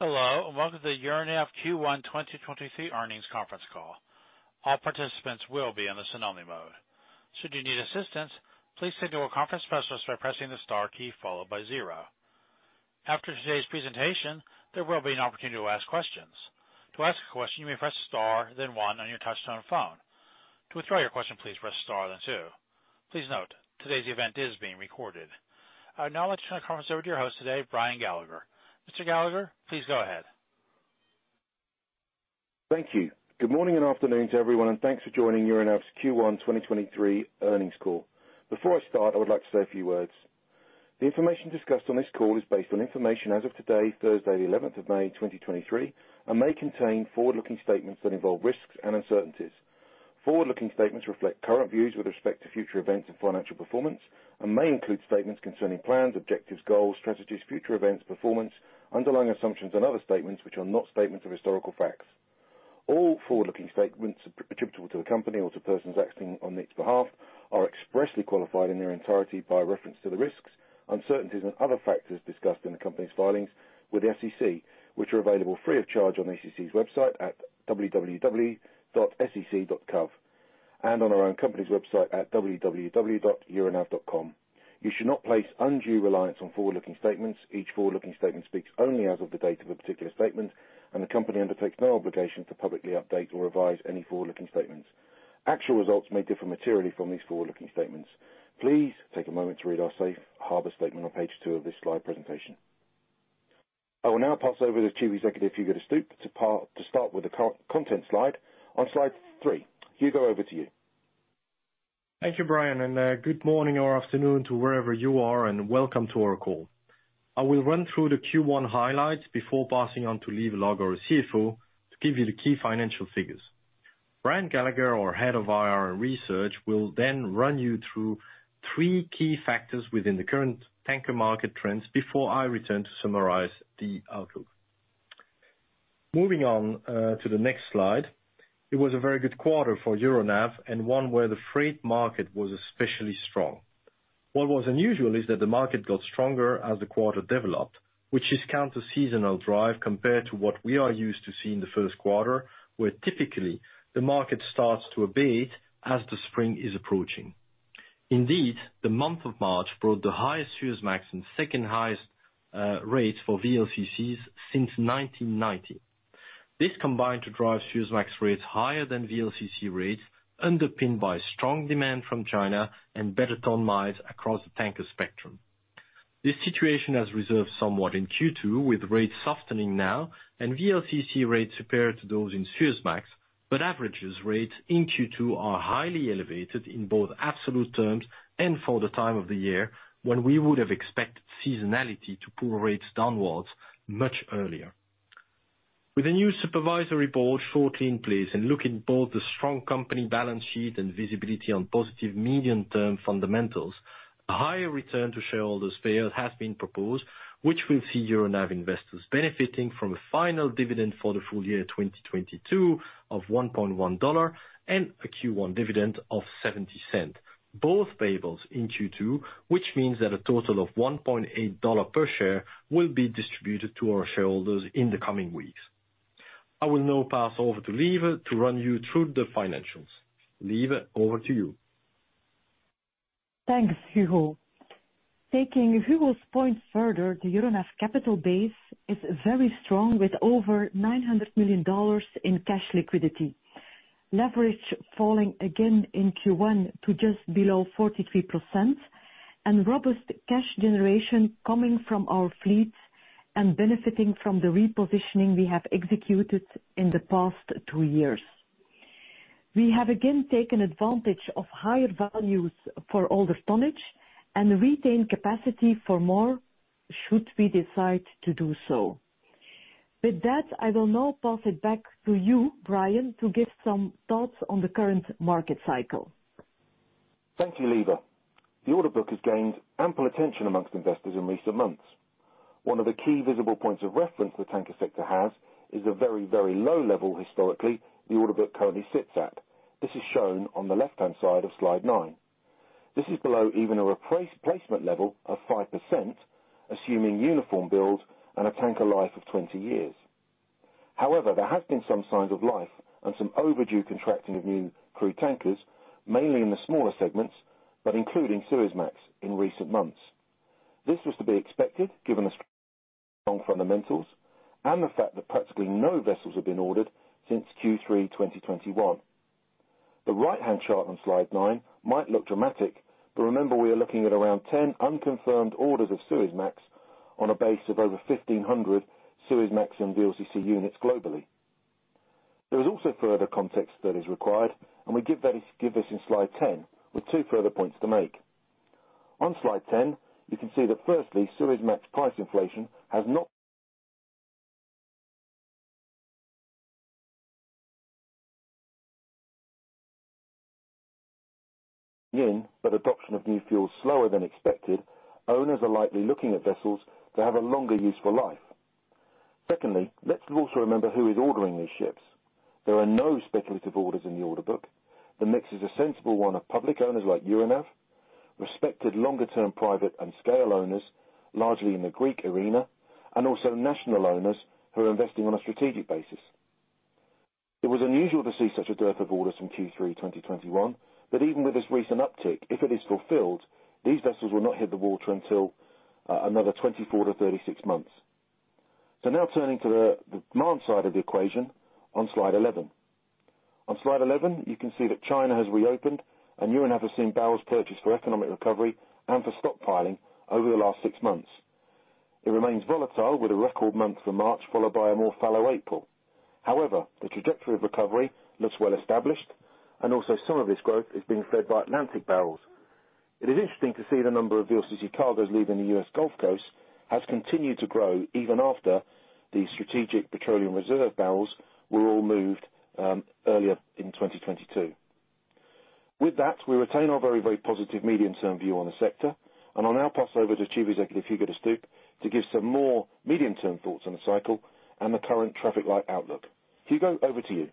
Hello, and welcome to the Euronav Q1 2023 Earnings Conference Call. All participants will be on the listen-only mode. Should you need assistance, please signal a conference specialist by pressing the star key followed by zero. After today's presentation, there will be an opportunity to ask questions. To ask a question, you may press star then one on your touch-tone phone. To withdraw your question, please press star then two. Please note, today's event is being recorded. I would now like to turn the conference over to your host today, Brian Gallagher. Mr. Gallagher, please go ahead. Thank you. Good morning and afternoon to everyone, and thanks for joining Euronav's Q1 2023 earnings call. Before I start, I would like to say a few words. The information discussed on this call is based on information as of today, Thursday the 11th of May 2023, and may contain forward-looking statements that involve risks and uncertainties. Forward-looking statements reflect current views with respect to future events and financial performance and may include statements concerning plans, objectives, goals, strategies, future events, performance, underlying assumptions and other statements which are not statements of historical facts. All forward-looking statements attributable to the company or to persons acting on its behalf are expressly qualified in their entirety by reference to the risks, uncertainties and other factors discussed in the company's filings with the SEC, which are available free of charge on the SEC's website at www.sec.gov, and on our own company's website at www.cmb.tech. You should not place undue reliance on forward-looking statements. Each forward-looking statement speaks only as of the date of a particular statement, and the company undertakes no obligation to publicly update or revise any forward-looking statements. Actual results may differ materially from these forward-looking statements. Please take a moment to read our safe harbor statement on page two of this slide presentation. I will now pass over to Chief Executive, Hugo de Stoop, to start with the co-content slide on slide three. Hugo, over to you. Thank you, Brian, and good morning or afternoon to wherever you are, and welcome to our call. I will run through the Q1 highlights before passing on to Lieve Logghe, our CFO, to give you the key financial figures. Brian Gallagher, our head of IR and Research, will then run you through 3 key factors within the current tanker market trends before I return to summarize the outlook. Moving on to the next slide. It was a very good quarter for Euronav and one where the freight market was especially strong. What was unusual is that the market got stronger as the quarter developed, which is counter seasonal drive compared to what we are used to seeing in the first quarter, where typically the market starts to abate as the spring is approaching. Indeed, the month of March brought the highest Suezmax and second-highest rates for VLCCs since 1990. This combined to drive Suezmax rates higher than VLCC rates, underpinned by strong demand from China and better ton-miles across the tanker spectrum. This situation has reserved somewhat in Q2 with rates softening now and VLCC rates superior to those in Suezmax. Averages rates in Q2 are highly elevated in both absolute terms and for the time of the year when we would have expected seasonality to pull rates downwards much earlier. With a new supervisory board shortly in place and looking at both the strong company balance sheet and visibility on positive medium-term fundamentals, a higher return to shareholders fair has been proposed, which will see Euronav investors benefiting from a final dividend for the full year 2022 of $1.1 and a Q1 dividend of $0.70, both payables in Q2, which means that a total of $1.8 per share will be distributed to our shareholders in the coming weeks. I will now pass over to Lieve to run you through the financials. Lieve, over to you. Thanks, Hugo. Taking Hugo's point further, the Euronav capital base is very strong with over $900 million in cash liquidity. Leverage falling again in Q1 to just below 43% and robust cash generation coming from our fleet and benefiting from the repositioning we have executed in the past two years. We have again taken advantage of higher values for older tonnage and retained capacity for more should we decide to do so. I will now pass it back to you, Brian, to give some thoughts on the current market cycle. Thank you, Lieve. The order book has gained ample attention amongst investors in recent months. One of the key visible points of reference the tanker sector has is a very, very low level historically the order book currently sits at. This is shown on the left-hand side of slide 9. This is below even a replacement level of 5%, assuming uniform build and a tanker life of 20 years. There have been some signs of life and some overdue contracting of new crude tankers, mainly in the smaller segments, but including Suezmax in recent months. This was to be expected given the strong fundamentals and the fact that practically no vessels have been ordered since Q3 2021. The right-hand chart on slide 9 might look dramatic, remember, we are looking at around 10 unconfirmed orders of Suezmax on a base of over 1,500 Suezmax and VLCC units globally. There is also further context that is required, we give this in slide 10, with two further points to make. On slide 10, you can see that firstly, Suezmax price inflation has not but adoption of new fuels slower than expected, owners are likely looking at vessels that have a longer useful life. Secondly, let's also remember who is ordering these ships. There are no speculative orders in the order book. The mix is a sensible one of public owners like Euronav-Respected longer term private and scale owners, largely in the Greek arena, also national owners who are investing on a strategic basis. It was unusual to see such a dearth of orders in Q3 2021. Even with this recent uptick, if it is fulfilled, these vessels will not hit the water until another 24-36 months. Now turning to the demand side of the equation on slide 11. On slide 11, you can see that China has reopened. You and I have seen barrels purchased for economic recovery and for stockpiling over the last 6 months. It remains volatile, with a record month of March, followed by a more fallow April. However, the trajectory of recovery looks well established. Also some of this growth is being fed by Atlantic barrels. It is interesting to see the number of USGC cargoes leaving the U.S. Gulf Coast has continued to grow even after the Strategic Petroleum Reserve barrels were all moved earlier in 2022. With that, we retain our very, very positive medium-term view on the sector. I'll now pass over to Chief Executive, Hugo De Stoop, to give some more medium-term thoughts on the cycle and the current traffic light outlook. Hugo, over to you.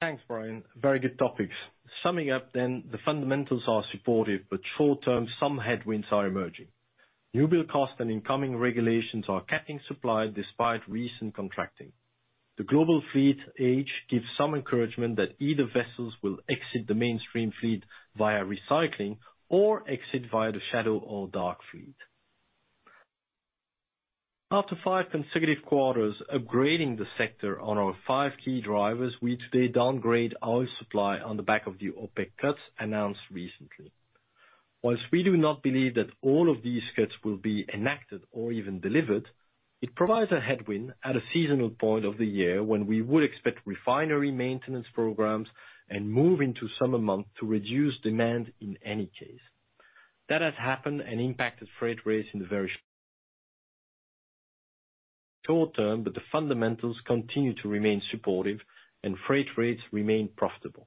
Thanks, Brian. Very good topics. Summing up then, the fundamentals are supportive, but short term, some headwinds are emerging. Newbuild cost and incoming regulations are capping supply despite recent contracting. The global fleet age gives some encouragement that either vessels will exit the mainstream fleet via recycling or exit via the shadow or dark fleet. After five consecutive quarters upgrading the sector on our five key drivers, we today downgrade oil supply on the back of the OPEC cuts announced recently. Whilst we do not believe that all of these cuts will be enacted or even delivered, it provides a headwind at a seasonal point of the year when we would expect refinery maintenance programs and move into summer months to reduce demand in any case. That has happened and impacted freight rates in the very short term, but the fundamentals continue to remain supportive and freight rates remain profitable.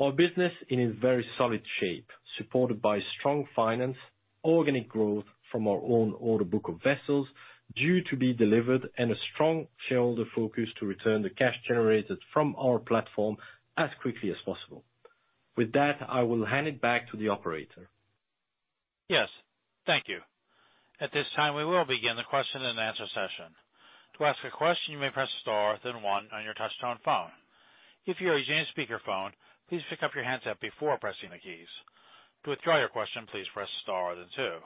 Our business is in very solid shape, supported by strong finance, organic growth from our own order book of vessels due to be delivered, and a strong shareholder focus to return the cash generated from our platform as quickly as possible. With that, I will hand it back to the operator. Yes. Thank you. At this time, we will begin the question-and-answer session. To ask a question, you may press star then one on your touchtone phone. If you are using a speakerphone, please pick up your handset before pressing the keys. To withdraw your question, please press star then two.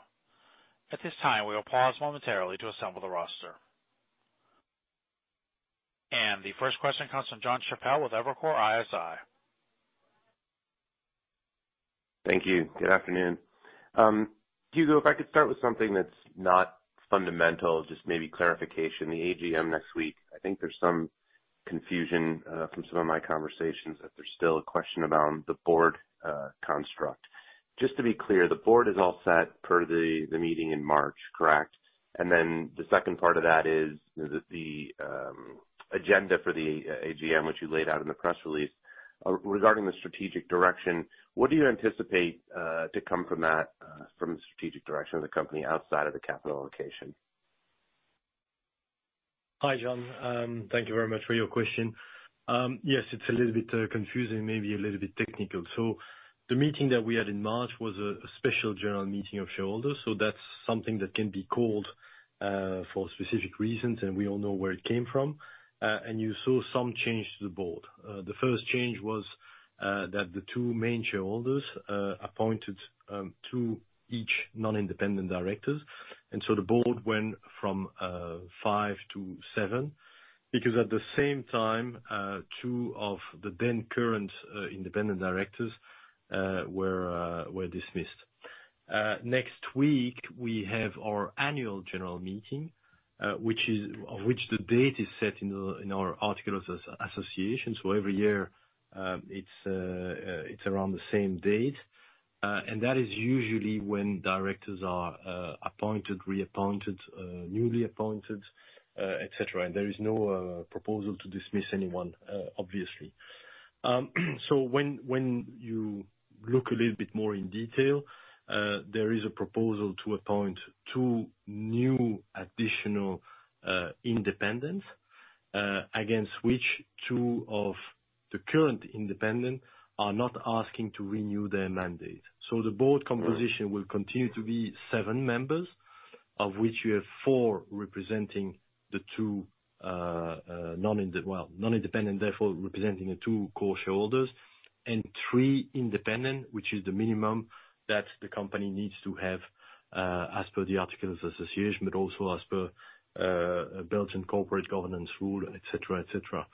At this time, we will pause momentarily to assemble the roster. The first question comes from Jon Chappell with Evercore ISI. Thank you. Good afternoon. Hugo, if I could start with something that's not fundamental, just maybe clarification. The AGM next week, I think there's some confusion from some of my conversations that there's still a question around the board construct. Just to be clear, the board is all set per the meeting in March, correct? The second part of that is that the agenda for the AGM, which you laid out in the press release regarding the strategic direction, what do you anticipate to come from that from the strategic direction of the company outside of the capital allocation? Hi, Jon. Thank you very much for your question. Yes, it's a little bit confusing, maybe a little bit technical. The meeting that we had in March was a special general meeting of shareholders, so that's something that can be called for specific reasons, and we all know where it came from. You saw some change to the board. The first change was that the two main shareholders appointed two each non-independent directors. The board went from five to seven because at the same time, two of the then current independent directors were dismissed. Next week, we have our annual general meeting, which is, of which the date is set in our articles of association. Every year, it's around the same date, and that is usually when directors are appointed, reappointed, newly appointed, et cetera. There is no proposal to dismiss anyone, obviously. When you look a little bit more in detail, there is a proposal to appoint two new additional independents, against which two of the current independent are not asking to renew their mandate. The board composition will continue to be seven members, of which you have four representing the two non-independent, therefore representing the two core shareholders, and three independent, which is the minimum that the company needs to have as per the articles association, but also as per Belgian corporate governance rule, et cetera, et cetera.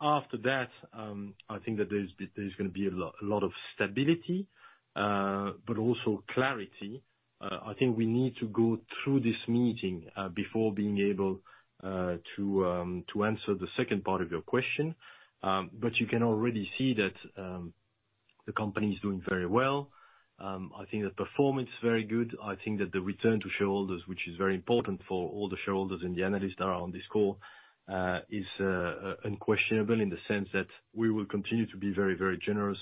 After that, I think that there's a lot of stability, but also clarity. I think we need to go through this meeting before being able to answer the second part of your question. You can already see that the company is doing very well. I think the performance is very good. I think that the return to shareholders, which is very important for all the shareholders and the analysts that are on this call, is unquestionable in the sense that we will continue to be very, very generous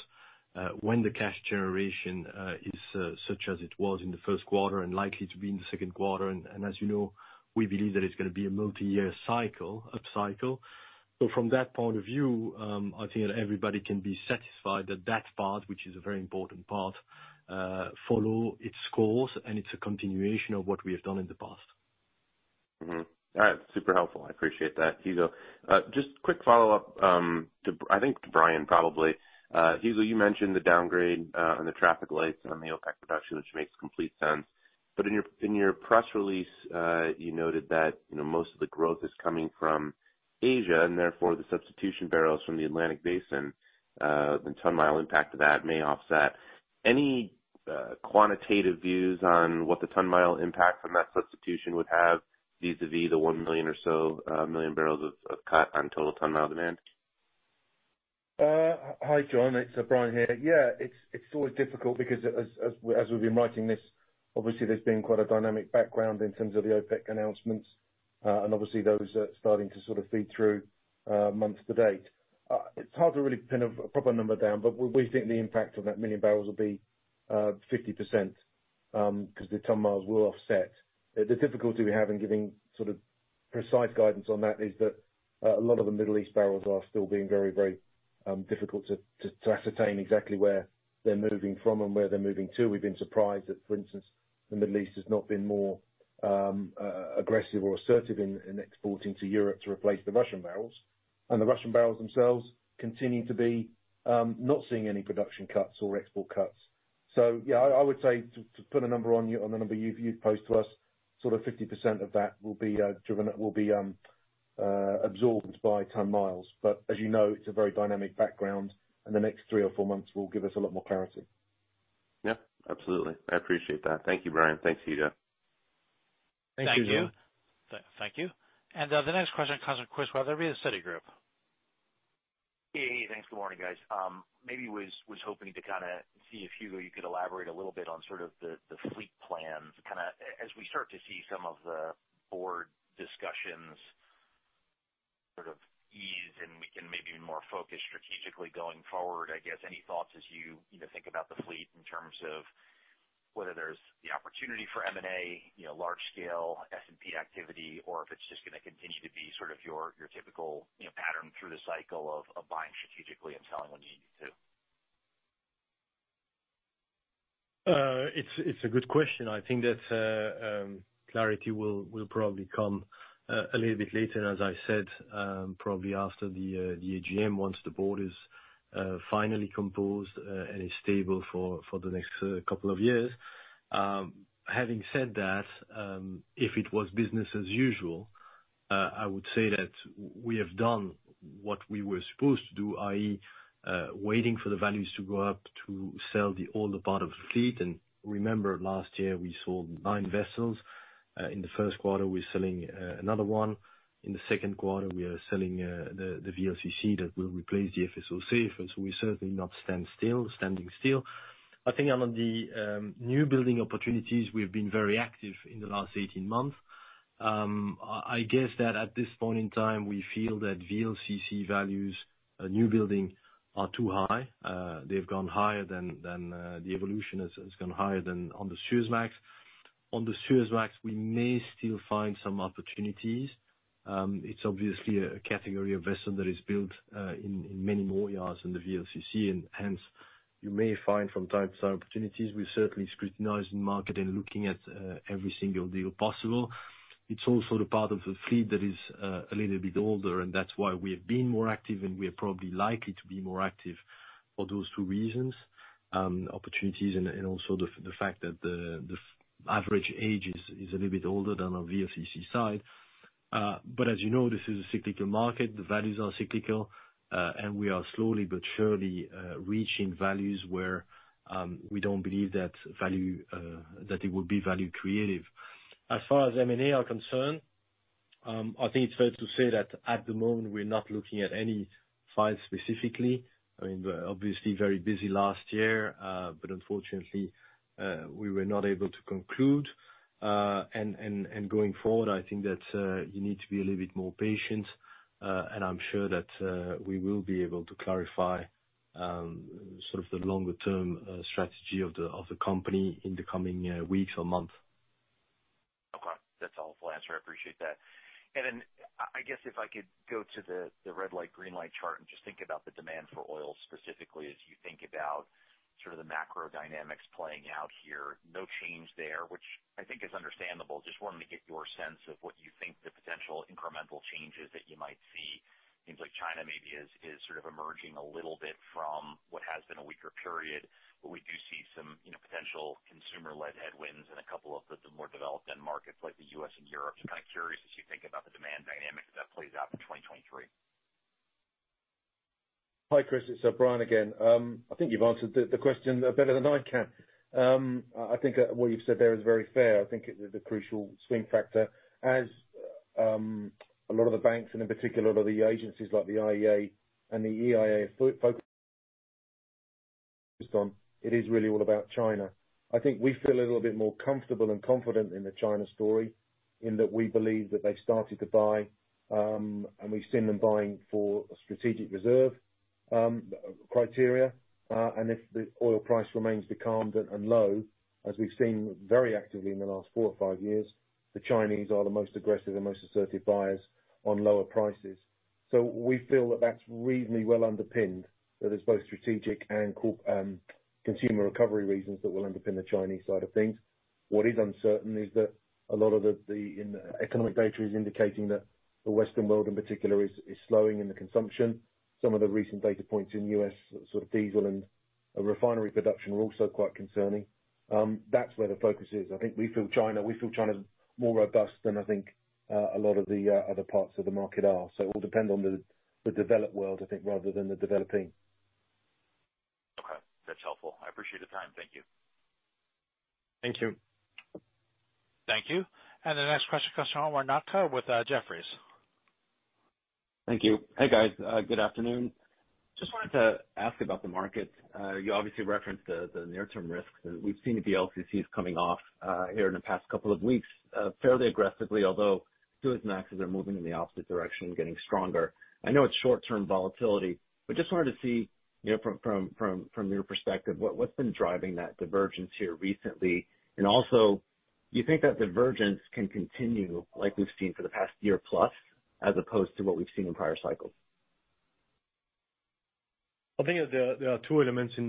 when the cash generation is such as it was in the first quarter and likely to be in the second quarter. As you know, we believe that it's gonna be a multiyear cycle, upcycle. From that point of view, I think everybody can be satisfied that that part, which is a very important part, follow its course, and it's a continuation of what we have done in the past. All right. Super helpful. I appreciate that, Hugo. Just quick follow-up to, I think to Brian probably. Hugo, you mentioned the downgrade on the traffic lights on the OPEC production, which makes complete sense. In your press release, you noted that, you know, most of the growth is coming from Asia, and therefore the substitution barrels from the Atlantic Basin, the ton-mile impact of that may offset. Any quantitative views on what the ton-mile impact from that substitution would have vis-a-vis the 1 million or so million barrels of cut on total ton-mile demand? Hi, Jon. It's Brian here. Yeah, it's always difficult because as we've been writing this, obviously there's been quite a dynamic background in terms of the OPEC announcements, and obviously those are starting to sort of feed through month to date. It's hard to really pin a proper number down, but we think the impact on that 1 million barrels will be 50%, 'cause the ton-miles will offset. The difficulty we have in giving sort of precise guidance on that is that a lot of the Middle East barrels are still being very difficult to ascertain exactly where they're moving from and where they're moving to. We've been surprised that, for instance, the Middle East has not been more aggressive or assertive in exporting to Europe to replace the Russian barrels. The Russian barrels themselves continue to be not seeing any production cuts or export cuts. Yeah, I would say to put a number on the number you've posed to us, sort of 50% of that will be driven, will be absorbed by ton-miles. As you know, it's a very dynamic background, and the next three or four months will give us a lot more clarity. Yeah, absolutely. I appreciate that. Thank you, Brian. Thanks, Hugo. Thanks, Hugo. Thank you. The next question comes from Chris Wetherbee of Citigroup. Hey. Thanks. Good morning, guys. maybe was hoping to kinda see if, Hugo, you could elaborate a little bit on sort of the fleet plans. As we start to see some of the board discussions sort of ease, and we can maybe be more focused strategically going forward, I guess, any thoughts as you know, think about the fleet in terms of whether there's the opportunity for M&A, you know, large scale S&P activity, or if it's just gonna continue to be sort of your typical, you know, pattern through the cycle of buying strategically and selling when you need to? It's a good question. I think that clarity will probably come a little bit later, as I said, probably after the AGM, once the board is finally composed and is stable for the next couple of years. Having said that, if it was business as usual, I would say that we have done what we were supposed to do, i.e., waiting for the values to go up to sell the older part of the fleet. Remember, last year, we sold nine vessels. In the first quarter, we're selling another one. In the second quarter, we are selling the VLCC that will replace the FSO Safer. We're certainly not standing still. I think on the new building opportunities, we've been very active in the last 18 months. I guess that at this point in time, we feel that VLCC values, new building are too high. They've gone higher than the evolution has gone higher than on the Suezmax. On the Suezmax, we may still find some opportunities. It's obviously a category of vessel that is built in many more yards than the VLCC, and hence you may find from time to time opportunities. We're certainly scrutinizing the market and looking at every single deal possible. It's also the part of the fleet that is a little bit older, and that's why we have been more active, and we are probably likely to be more active for those two reasons, opportunities and also the fact that the average age is a little bit older than our VLCC side. As you know, this is a cyclical market. The values are cyclical. We are slowly but surely reaching values where we don't believe that value that it would be value creative. As far as M&A are concerned, I think it's fair to say that at the moment, we're not looking at any files specifically. I mean, we were obviously very busy last year, but unfortunately, we were not able to conclude. Going forward, I think that you need to be a little bit more patient, and I'm sure that we will be able to clarify sort of the longer term strategy of the company in the coming weeks or months. Okay. That's a helpful answer. I appreciate that. I guess if I could go to the red light, green light chart and just think about the demand for oil specifically as you think about sort of the macro dynamics playing out here. No change there, which I think is understandable. Just wanting to get your sense of what you think the potential incremental changes that you might see. Seems like China maybe is sort of emerging a little bit from what has been a weaker period. We do see some, you know, potential consumer-led headwinds in a couple of the more developed end markets like the U.S. and Europe. Just kind of curious as you think about the demand dynamics, how that plays out in 2023. Hi, Chris. It's Brian again. I think you've answered the question better than I can. I think what you've said there is very fair. I think the crucial swing factor as a lot of the banks and in particular the agencies like the IEA and the EIA focus on, it is really all about China. I think we feel a little bit more comfortable and confident in the China story in that we believe that they've started to buy, and we've seen them buying for a strategic reserve. criteria, if the oil price remains becalmed and low, as we've seen very actively in the last four or five years, the Chinese are the most aggressive and most assertive buyers on lower prices. We feel that that's reasonably well underpinned, that it's both strategic and consumer recovery reasons that will underpin the Chinese side of things. What is uncertain is that a lot of the economic data is indicating that the Western world in particular is slowing in the consumption. Some of the recent data points in U.S. sort of diesel and refinery production were also quite concerning. That's where the focus is. I think we feel China, we feel China's more robust than, I think, a lot of the other parts of the market are. It will depend on the developed world, I think, rather than the developing. Okay. That's helpful. I appreciate the time. Thank you. Thank you. Thank you. The next question comes from Omar Nokta with Jefferies. Thank you. Hey, guys. good afternoon. Just wanted to ask about the market. you obviously referenced the near-term risks. We've seen the VLCCs coming off here in the past couple of weeks, fairly aggressively, although Suezmaxes are moving in the opposite direction, getting stronger. I know it's short-term volatility, but just wanted to see, you know, from your perspective, what's been driving that divergence here recently? Also, do you think that divergence can continue like we've seen for the past year plus, as opposed to what we've seen in prior cycles? I think there are two elements in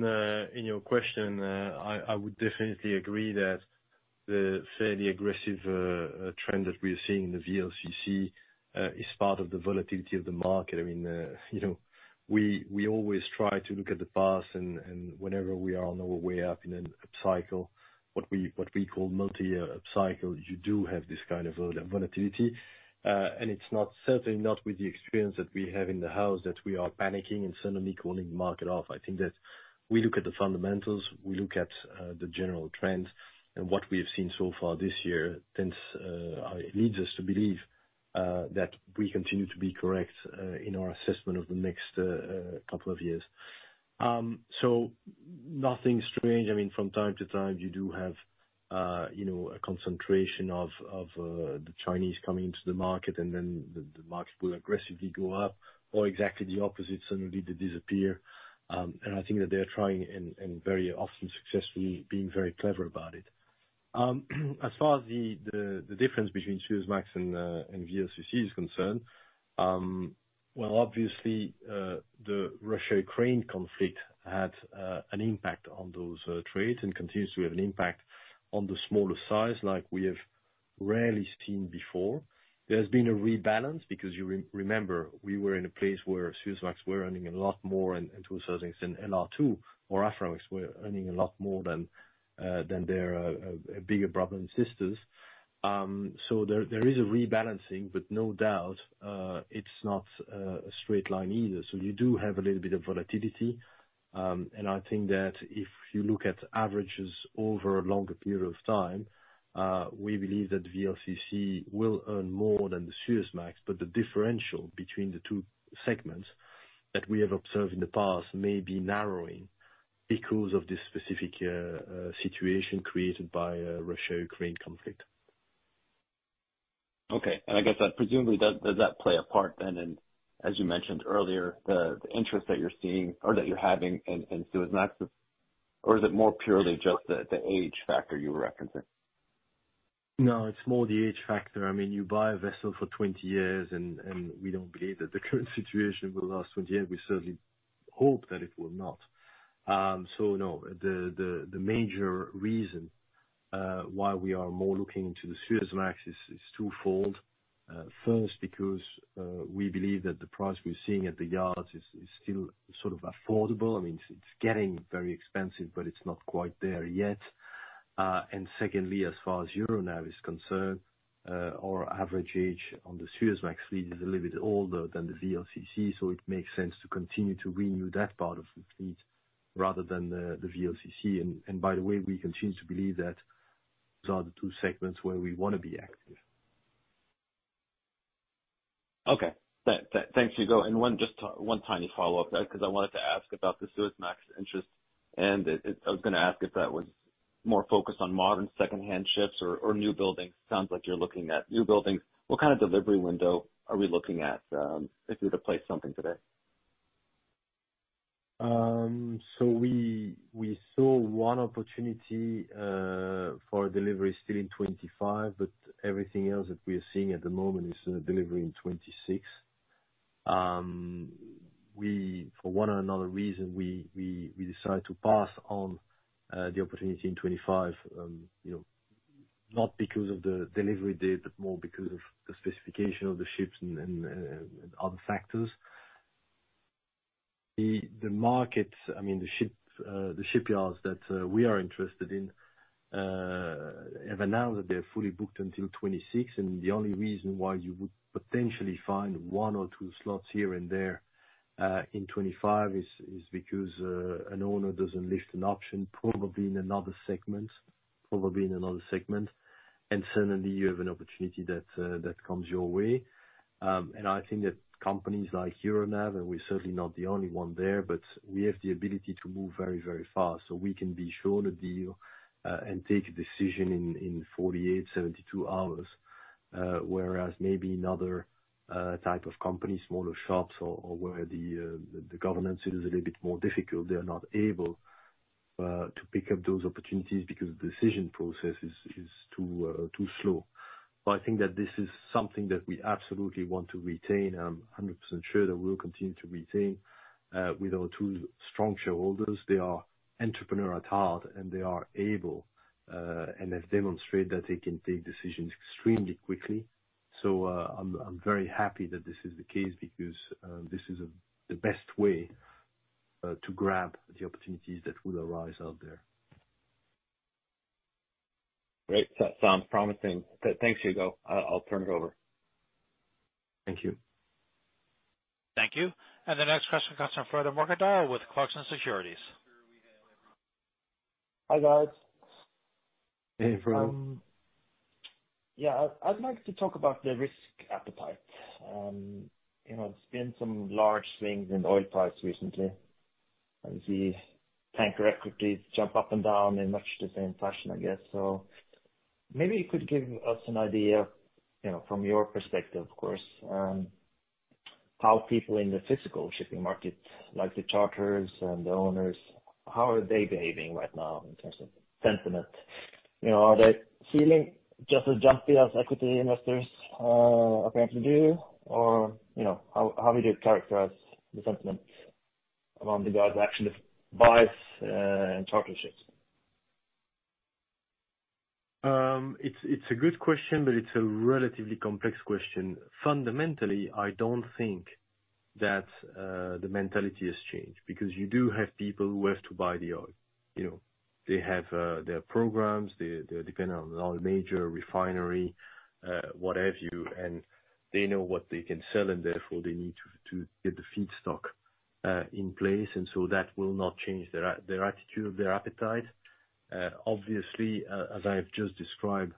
your question. I would definitely agree that the fairly aggressive trend that we are seeing in the VLCC is part of the volatility of the market. I mean, you know, we always try to look at the past and whenever we are on our way up in a cycle, what we call multi-year upcycle, you do have this kind of volatility. It's not, certainly not with the experience that we have in the house, that we are panicking and suddenly calling the market off. I think that we look at the fundamentals, we look at the general trends, and what we have seen so far this year tends leads us to believe that we continue to be correct in our assessment over the next couple of years. Nothing strange. I mean, from time to time, you do have, you know, a concentration of the Chinese coming into the market, and then the market will aggressively go up, or exactly the opposite, suddenly they disappear. I think that they're trying, and very often successfully, being very clever about it. As far as the difference between Suezmax and VLCC is concerned, obviously, the Russia-Ukraine conflict had an impact on those trades and continues to have an impact on the smaller size like we have rarely seen before. There's been a rebalance because you remember, we were in a place where Suezmax were earning a lot more and through such things, and LR2 or Aframax were earning a lot more than their bigger brothers and sisters. There is a rebalancing, but no doubt, it's not a straight line either. You do have a little bit of volatility. I think that if you look at averages over a longer period of time, we believe that VLCC will earn more than the Suezmax. The differential between the two segments that we have observed in the past may be narrowing because of this specific situation created by Russia-Ukraine conflict. Okay. I guess that presumably, does that play a part then in, as you mentioned earlier, the interest that you're seeing or that you're having in Suezmaxes? Or is it more purely just the age factor you were referencing? No, it's more the age factor. I mean, you buy a vessel for 20 years. We don't believe that the current situation will last 20 years. We certainly hope that it will not. No. The major reason why we are more looking into the Suezmax is twofold. First because we believe that the price we're seeing at the yards is still sort of affordable. I mean, it's getting very expensive, but it's not quite there yet. Secondly, as far as Euronav is concerned, our average age on the Suezmax fleet is a little bit older than the VLCC, so it makes sense to continue to renew that part of the fleet rather than the VLCC. By the way, we continue to believe that those are the two segments where we wanna be active. Okay. Thanks, Hugo. Just one tiny follow-up, 'cause I wanted to ask about the Suezmax interest, I was gonna ask if that was more focused on modern secondhand ships or new buildings. Sounds like you're looking at new buildings. What kind of delivery window are we looking at, if we were to place something today? We saw one opportunity for a delivery still in 2025, but everything else that we are seeing at the moment is delivering in 2026. We, for one or another reason, we decided to pass on the opportunity in 2025, you know, not because of the delivery date, but more because of the specification of the ships and other factors. The markets, I mean, the ships, the shipyards that we are interested in, have announced that they're fully booked until 2026, the only reason why you would potentially find one or two slots here and there in 2025 is because an owner doesn't lift an option, probably in another segment. Suddenly you have an opportunity that comes your way. I think that companies like Euronav, and we're certainly not the only one there, but we have the ability to move very, very fast. We can be sure the deal, and take a decision in 48, 72 hours. Whereas maybe in other type of companies, smaller shops or where the governance is a little bit more difficult, they are not able to pick up those opportunities because the decision process is too slow. I think that this is something that we absolutely want to retain. I'm 100% sure that we'll continue to retain with our two strong shareholders. They are entrepreneurial at heart, and they are able and have demonstrated that they can take decisions extremely quickly. I'm very happy that this is the case because this is the best way to grab the opportunities that will arise out there. Sounds promising. Thanks, Hugo. I'll turn it over. Thank you. Thank you. The next question comes from Frode Mørkedal with Clarksons Securities. Hi, guys. Hey, Frode. Yeah, I'd like to talk about the risk appetite. You know, it's been some large swings in oil price recently. The tanker equities jump up and down in much the same fashion, I guess. Maybe you could give us an idea, you know, from your perspective, of course, how people in the physical shipping market, like the charters and the owners, how are they behaving right now in terms of sentiment? You know, are they feeling just as jumpy as equity investors apparently do, or, you know, how would you characterize the sentiment among the guys that actually buys and charter ships? It's a good question, but it's a relatively complex question. Fundamentally, I don't think that the mentality has changed because you do have people who have to buy the oil. You know, they have their programs, they depend on an oil major refinery, what have you, and they know what they can sell, and therefore they need to get the feedstock in place. That will not change their attitude or their appetite. Obviously, as I have just described,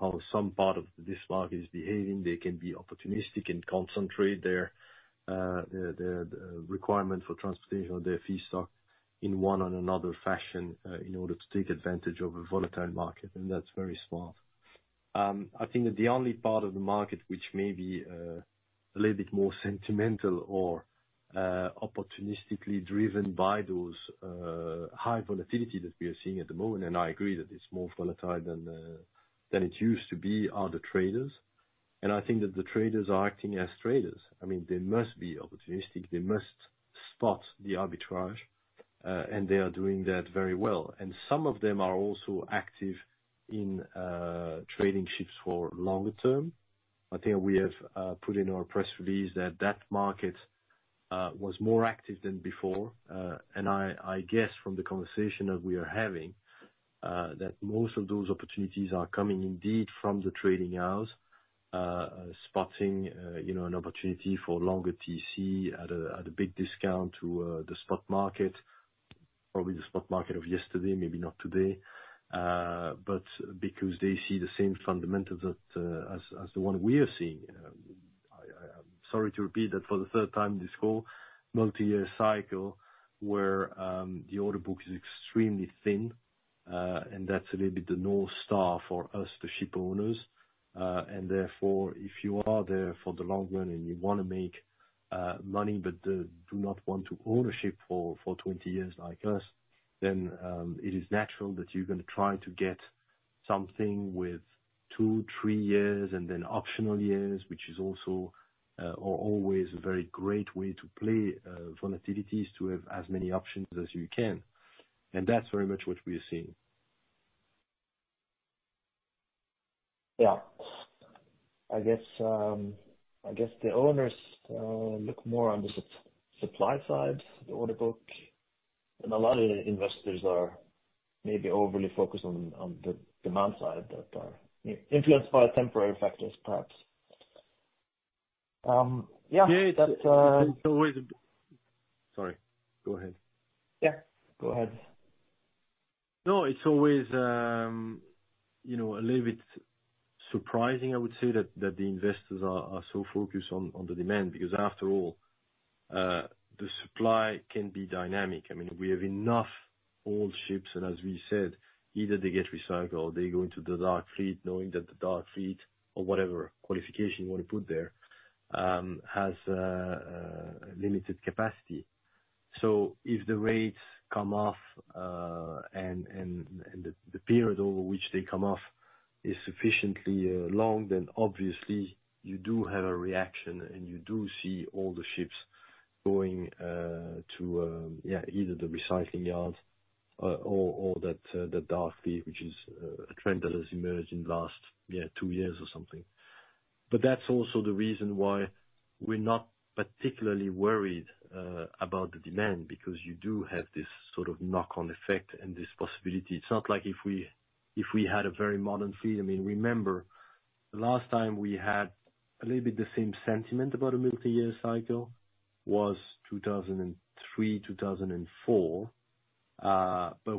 how some part of this market is behaving, they can be opportunistic and concentrate their requirement for transportation of their feedstock in one or another fashion in order to take advantage of a volatile market. That's very smart. I think that the only part of the market which may be a little bit more sentimental or opportunistically driven by those high volatility that we are seeing at the moment, and I agree that it's more volatile than than it used to be, are the traders. I think that the traders are acting as traders. I mean, they must be opportunistic. They must spot the arbitrage, and they are doing that very well. Some of them are also active in trading ships for longer term. I think we have put in our press release that that market was more active than before. I guess from the conversation that we are having, that most of those opportunities are coming indeed from the trading house, spotting, you know, an opportunity for longer TC at a big discount to the stock market, probably the stock market of yesterday, maybe not today. Because they see the same fundamentals that as the one we are seeing. I'm sorry to repeat that for the third time this call, multi-year cycle, where the order book is extremely thin, and that's a little bit the North Star for us, the shipowners. Therefore, if you are there for the long run, and you wanna make money but do not want to own a ship for 20 years like us, then it is natural that you're gonna try to get something with 2, 3 years and then optional years, which is also or always a very great way to play volatilities, to have as many options as you can. That's very much what we are seeing. I guess the owners look more on the supply side, the order book, and a lot of the investors are maybe overly focused on the demand side that are influenced by temporary factors, perhaps. Yeah. But, uh- It's always. Sorry, go ahead. Yeah, go ahead. It's always, you know, a little bit surprising, I would say, that the investors are so focused on the demand, because after all, the supply can be dynamic. I mean, we have enough old ships, and as we said, either they get recycled, they go into the dark fleet, knowing that the dark fleet or whatever qualification you wanna put there, has limited capacity. If the rates come off, and the period over which they come off is sufficiently long, then obviously you do have a reaction, and you do see all the ships going to either the recycling yards, or that the dark fleet, which is a trend that has emerged in the last two years or something. That's also the reason why we're not particularly worried about the demand, because you do have this sort of knock-on effect and this possibility. It's not like if we, if we had a very modern fleet. I mean, remember, the last time we had a little bit the same sentiment about a multi-year cycle was 2003, 2004.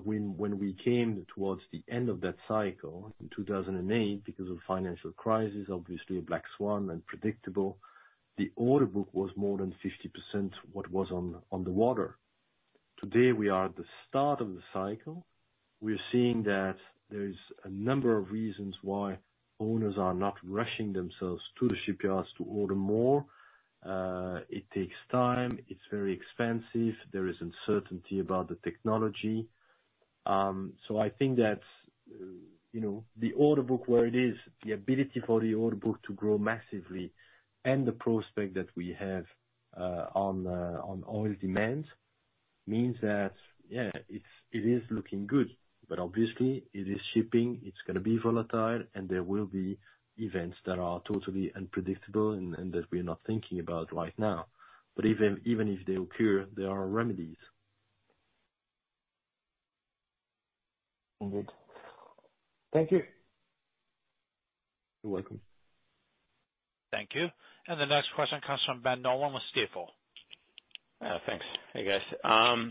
When we came towards the end of that cycle in 2008, because of the financial crisis, obviously a black swan, unpredictable, the order book was more than 50% what was on the water. Today we are at the start of the cycle. We are seeing that there is a number of reasons why owners are not rushing themselves to the shipyards to order more. It takes time, it's very expensive. There is uncertainty about the technology. I think that, you know, the order book where it is, the ability for the order book to grow massively, and the prospect that we have on oil demand means that It is looking good. Obviously it is shipping, it's gonna be volatile, and there will be events that are totally unpredictable and that we're not thinking about right now. Even if they occur, there are remedies. All good. Thank you. You're welcome. Thank you. The next question comes from Ben Nolan with Stifel. Thanks. Hey, guys.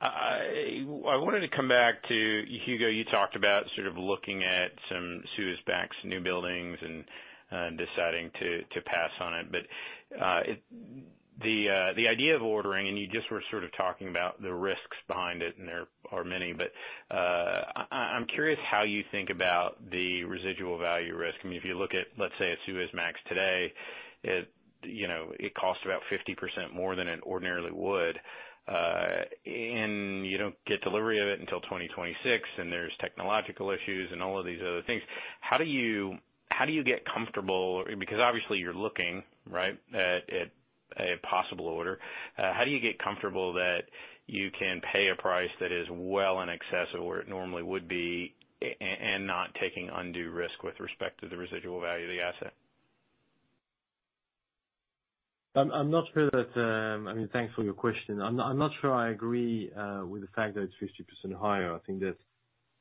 I wanted to come back to Hugo De Stoop, you talked about sort of looking at some Suezmax new buildings and deciding to pass on it. The idea of ordering, and you just were sort of talking about the risks behind it, and there are many, but I'm curious how you think about the residual value risk. I mean, if you look at, let's say a Suezmax today, it, you know, it costs about 50% more than it ordinarily would. You don't get delivery of it until 2026, and there's technological issues and all of these other things. How do you, how do you get comfortable? Obviously you're looking, right, at a possible order. How do you get comfortable that you can pay a price that is well in excess of where it normally would be and not taking undue risk with respect to the residual value of the asset? I mean, thanks for your question. I'm not sure I agree with the fact that it's 50% higher. I think that,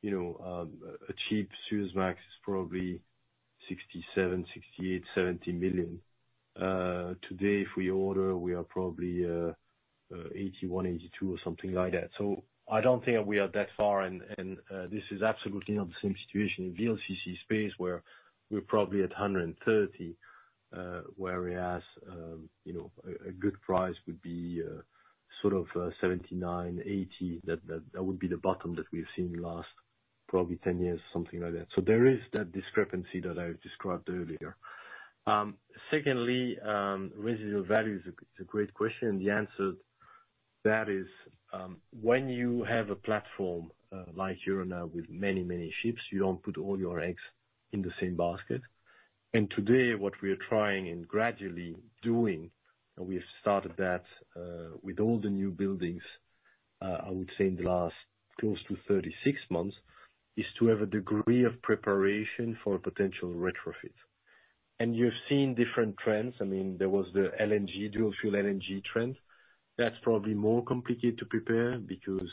you know, a cheap Suezmax is probably $67 million, $68 million, $70 million. Today, if we order, we are probably $81 million-$82 million or something like that. I don't think we are that far, and this is absolutely not the same situation in VLCC space where we're probably at $130 million, whereas, you know, a good price would be sort of $79 million-$80 million. That would be the bottom that we've seen in the last probably 10 years, something like that. There is that discrepancy that I described earlier. Secondly, residual value is a great question. The answer that is, when you have a platform, like Euronav with many, many ships, you don't put all your eggs in the same basket. Today, what we are trying and gradually doing, and we've started that with all the new buildings, I would say in the last close to 36 months, is to have a degree of preparation for a potential retrofit. You've seen different trends. I mean, there was the LNG, dual fuel LNG trend. That's probably more complicated to prepare because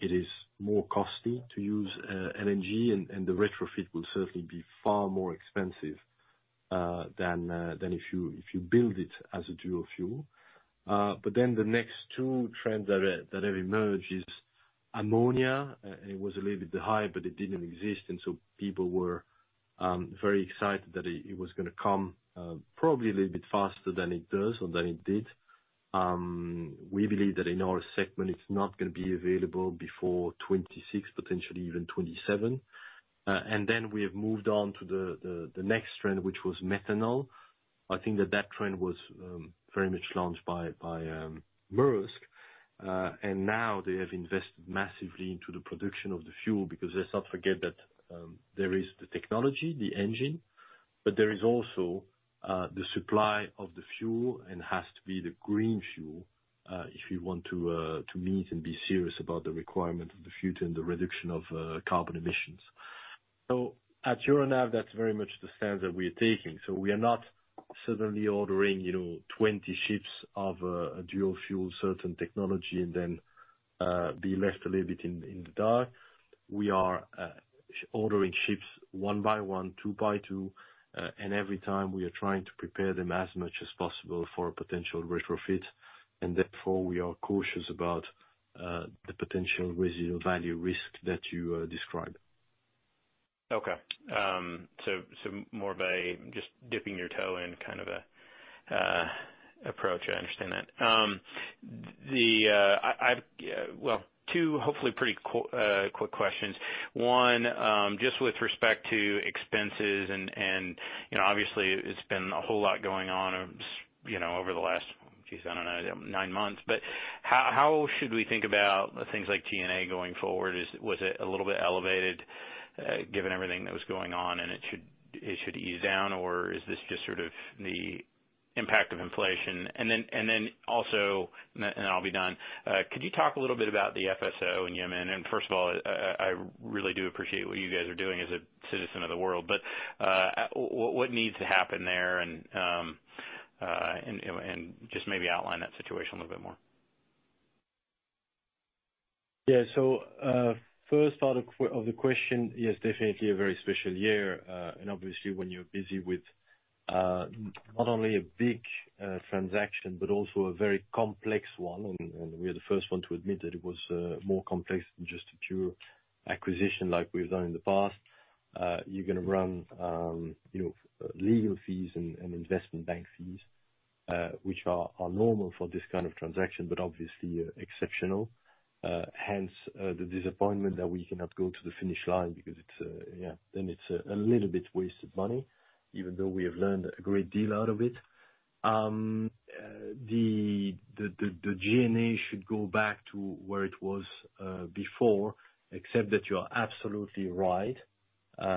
it is more costly to use LNG and the retrofit will certainly be far more expensive than if you build it as a dual fuel. Then the next two trends that have emerged is ammonia. It was a little bit behind, but it didn't exist, and so people were very excited that it was gonna come, probably a little bit faster than it does or than it did. We believe that in our segment, it's not gonna be available before 2026, potentially even 2027. We have moved on to the next trend, which was methanol. I think that that trend was very much launched by Maersk. Now they have invested massively into the production of the fuel because let's not forget that there is the technology, the engine, but there is also the supply of the fuel and has to be the green fuel, if you want to meet and be serious about the requirement of the future and the reduction of carbon emissions. At Euronav, that's very much the stance that we are taking. We are not suddenly ordering, you know, 20 ships of a dual fuel certain technology and then be left a little bit in the dark. We are ordering ships one by one, two by two, and every time we are trying to prepare them as much as possible for a potential retrofit, and therefore we are cautious about the potential residual value risk that you described. Okay. So more of a just dipping your toe in kind of a approach. I understand that. Well, two hopefully pretty quick questions. One, just with respect to expenses and you know, obviously it's been a whole lot going on, you know, over the last, geez, I don't know, nine months. How should we think about things like G&A going forward? Was it a little bit elevated given everything that was going on and it should ease down, or is this just sort of the impact of inflation? Then also, and I'll be done. Could you talk a little bit about the FSO in Yemen? First of all, I really do appreciate what you guys are doing as a citizen of the world. What needs to happen there and just maybe outline that situation a little bit more. Yeah. First part of the question, it's definitely a very special year. Obviously when you're busy with not only a big transaction, but also a very complex one, and we are the first one to admit that it was more complex than just a pure acquisition like we've done in the past. You're gonna run, you know, legal fees and investment bank fees, which are normal for this kind of transaction, but obviously exceptional. Hence, the disappointment that we cannot go to the finish line because it's, yeah, then it's a little bit wasted money, even though we have learned a great deal out of it. The G&A should go back to where it was before. Except that you are absolutely right. There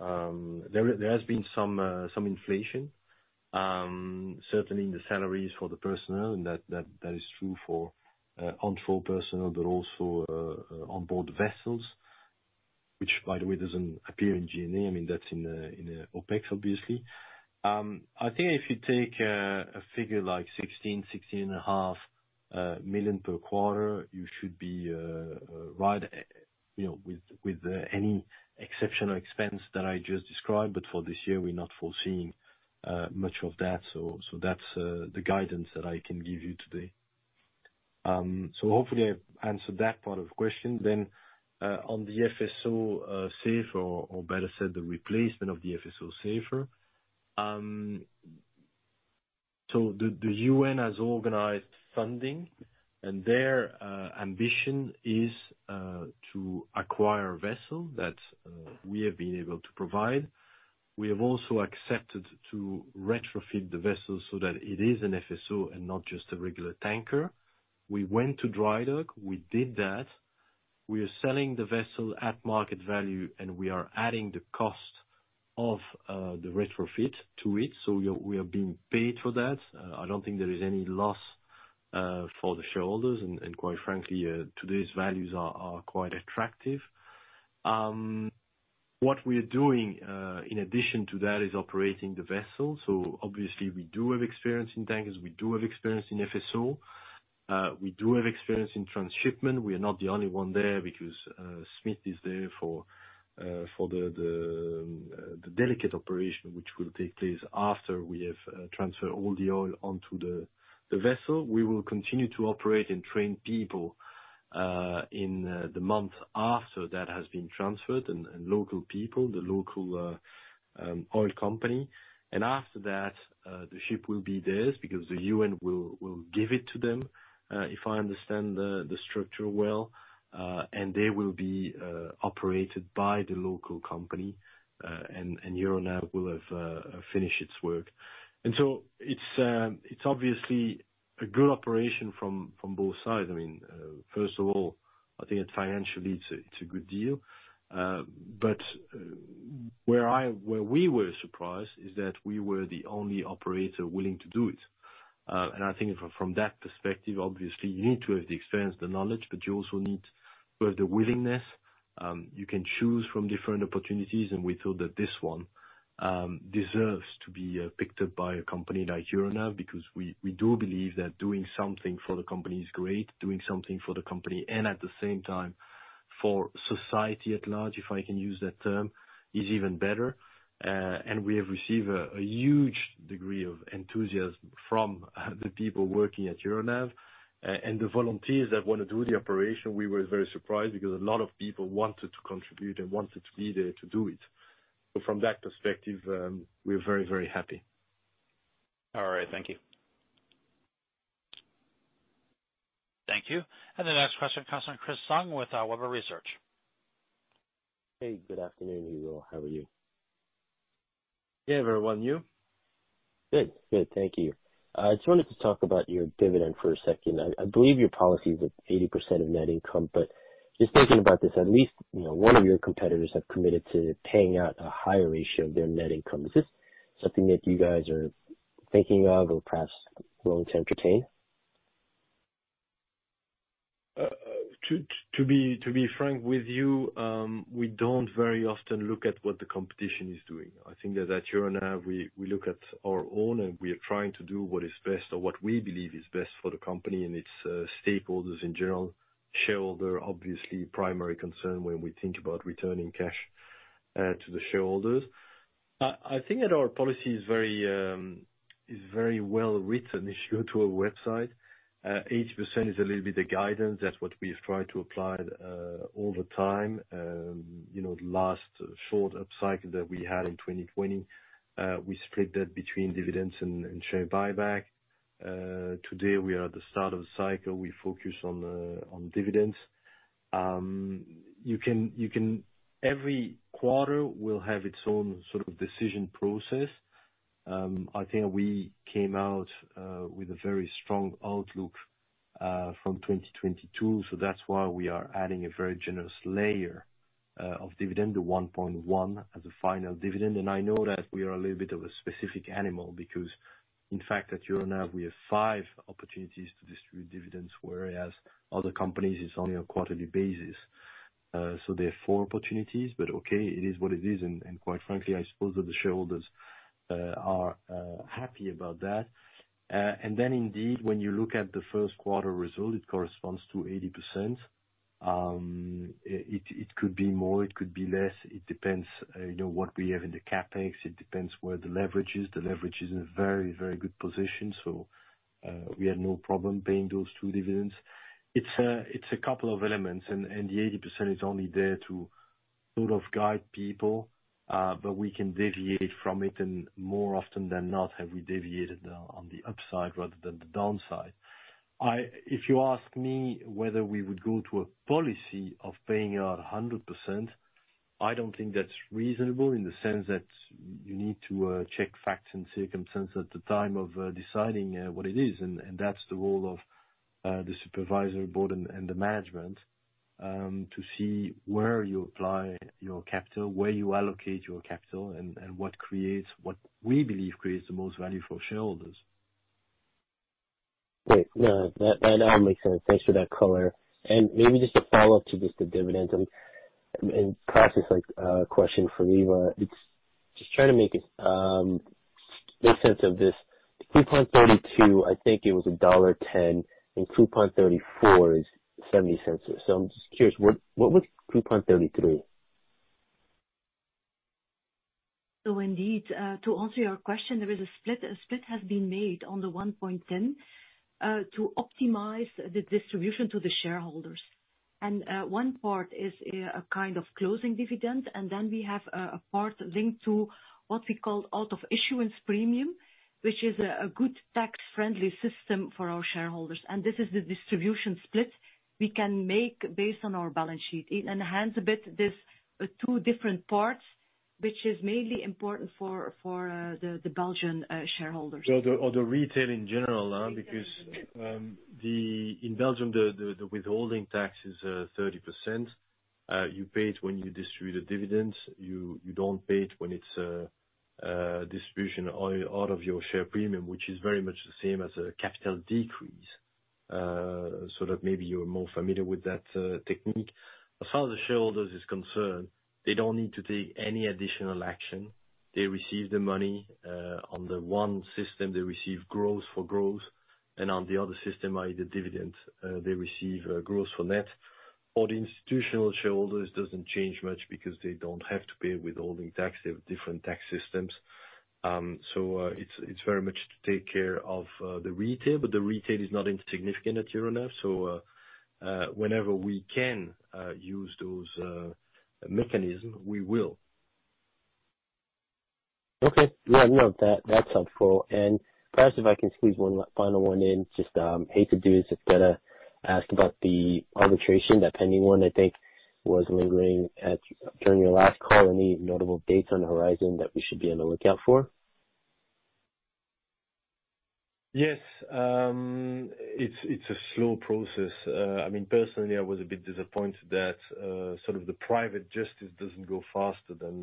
has been some inflation, certainly in the salaries for the personnel, and that is true for on-shore personnel, but also on-board vessels. Which, by the way, doesn't appear in G&A, I mean, that's in OPEX, obviously. I think if you take a figure like $16 million-$16.5 million per quarter, you should be right, you know, with any exceptional expense that I just described, but for this year, we're not foreseeing much of that. That's the guidance that I can give you today. Hopefully I've answered that part of the question. On the FSO Safer or better said, the replacement of the FSO Safer. The UN has organized funding, and their ambition is to acquire a vessel that we have been able to provide. We have also accepted to retrofit the vessel so that it is an FSO and not just a regular tanker. We went to dry dock. We did that. We are selling the vessel at market value, and we are adding the cost of the retrofit to it. We are being paid for that. I don't think there is any loss for the shareholders, and quite frankly, today's values are quite attractive. What we are doing, in addition to that, is operating the vessel. Obviously we do have experience in tankers. We do have experience in FSO. We do have experience in transshipment. We are not the only one there because Smith is there for the delicate operation, which will take place after we have transferred all the oil onto the vessel. We will continue to operate and train people in the month after that has been transferred, and local people, the local oil company. After that, the ship will be theirs because the UN will give it to them, if I understand the structure well, and they will be operated by the local company. Euronav will have finished its work. It's obviously a good operation from both sides. I mean, first of all, I think financially it's a good deal. Where we were surprised is that we were the only operator willing to do it. I think from that perspective, obviously you need to have the experience, the knowledge, but you also need to have the willingness. You can choose from different opportunities, and we thought that this one deserves to be picked up by a company like Euronav, because we do believe that doing something for the company is great. Doing something for the company and at the same time for society at large, if I can use that term, is even better. We have received a huge degree of enthusiasm from the people working at Euronav and the volunteers that wanna do the operation. We were very surprised because a lot of people wanted to contribute and wanted to be there to do it. From that perspective, we're very happy. All right. Thank you. Thank you. The next question comes from Michael Webber with Webber Research. Hey, good afternoon, Hugo. How are you? Good, everyone. You? Good. Thank you. I just wanted to talk about your dividend for a second. I believe your policy is at 80% of net income, but just thinking about this, at least, you know, one of your competitors have committed to paying out a higher ratio of their net income. Is this something that you guys are thinking of or perhaps willing to entertain? To be frank with you, we don't very often look at what the competition is doing. I think that at Euronav, we look at our own, and we are trying to do what is best or what we believe is best for the company and its stakeholders in general. Shareholder, obviously primary concern when we think about returning cash to the shareholders. I think that our policy is very well-written, if you go to our website. 80% is a little bit the guidance. That's what we've tried to apply all the time. You know, the last short upcycle that we had in 2020, we split that between dividends and share buyback. Today we are at the start of the cycle. We focus on dividends. You can... Every quarter will have its own sort of decision process. I think we came out with a very strong outlook from 2022, so that's why we are adding a very generous layer of dividend, 1.1 as a final dividend. I know that we are a little bit of a specific animal because in fact, at Euronav, we have five opportunities to distribute dividends, whereas other companies, it's only on a quarterly basis. There are four opportunities, but okay, it is what it is. Quite frankly, I suppose that the shareholders are happy about that. Then indeed, when you look at the first quarter result, it corresponds to 80%. It could be more, it could be less. It depends, you know, what we have in the CapEx. It depends where the leverage is. The leverage is in a very, very good position. We have no problem paying those two dividends. It's a couple of elements, and the 80% is only there to sort of guide people, but we can deviate from it, and more often than not, have we deviated on the upside rather than the downside. If you ask me whether we would go to a policy of paying out 100%, I don't think that's reasonable in the sense that you need to check facts and circumstances at the time of deciding what it is. That's the role of the supervisory board and the management to see where you apply your capital, where you allocate your capital and what we believe creates the most value for shareholders. Great. No, that all makes sense. Thanks for that color. Maybe just a follow-up to just the dividends and process like, question for me, but it's just trying to make more sense of this. Coupon 32, I think it was $1.10. Coupon 34 is $0.70. I'm just curious, what was Coupon 33? Indeed, to answer your question, there is a split. A split has been made on the 1.10, to optimize the distribution to the shareholders. One part is a kind of closing dividend, and then we have a part linked to what we call out of issuance premium, which is a good tax-friendly system for our shareholders. This is the distribution split we can make based on our balance sheet. It enhances a bit this 2 different parts, which is mainly important for the Belgian shareholders. The retail in general now because in Belgium, the withholding tax is 30%. You pay it when you distribute a dividend. You don't pay it when it's a distribution out of your share premium, which is very much the same as a capital decrease. Sort of maybe you're more familiar with that technique. As far as the shareholders is concerned, they don't need to take any additional action. They receive the money. On the one system, they receive growth for growth, and on the other system, i.e. the dividend, they receive growth for net. For the institutional shareholders, it doesn't change much because they don't have to pay withholding tax. They have different tax systems. It's very much to take care of the retail, but the retail is not insignificant at Euronav. Whenever we can, use those mechanisms, we will. Okay. Yeah, no, that's helpful. Perhaps if I can squeeze one final one in. Just hate to do this, but ask about the arbitration, that pending one I think was lingering at during your last call. Any notable dates on the horizon that we should be on the lookout for? Yes. It's a slow process. I mean, personally, I was a bit disappointed that sort of the private justice doesn't go faster than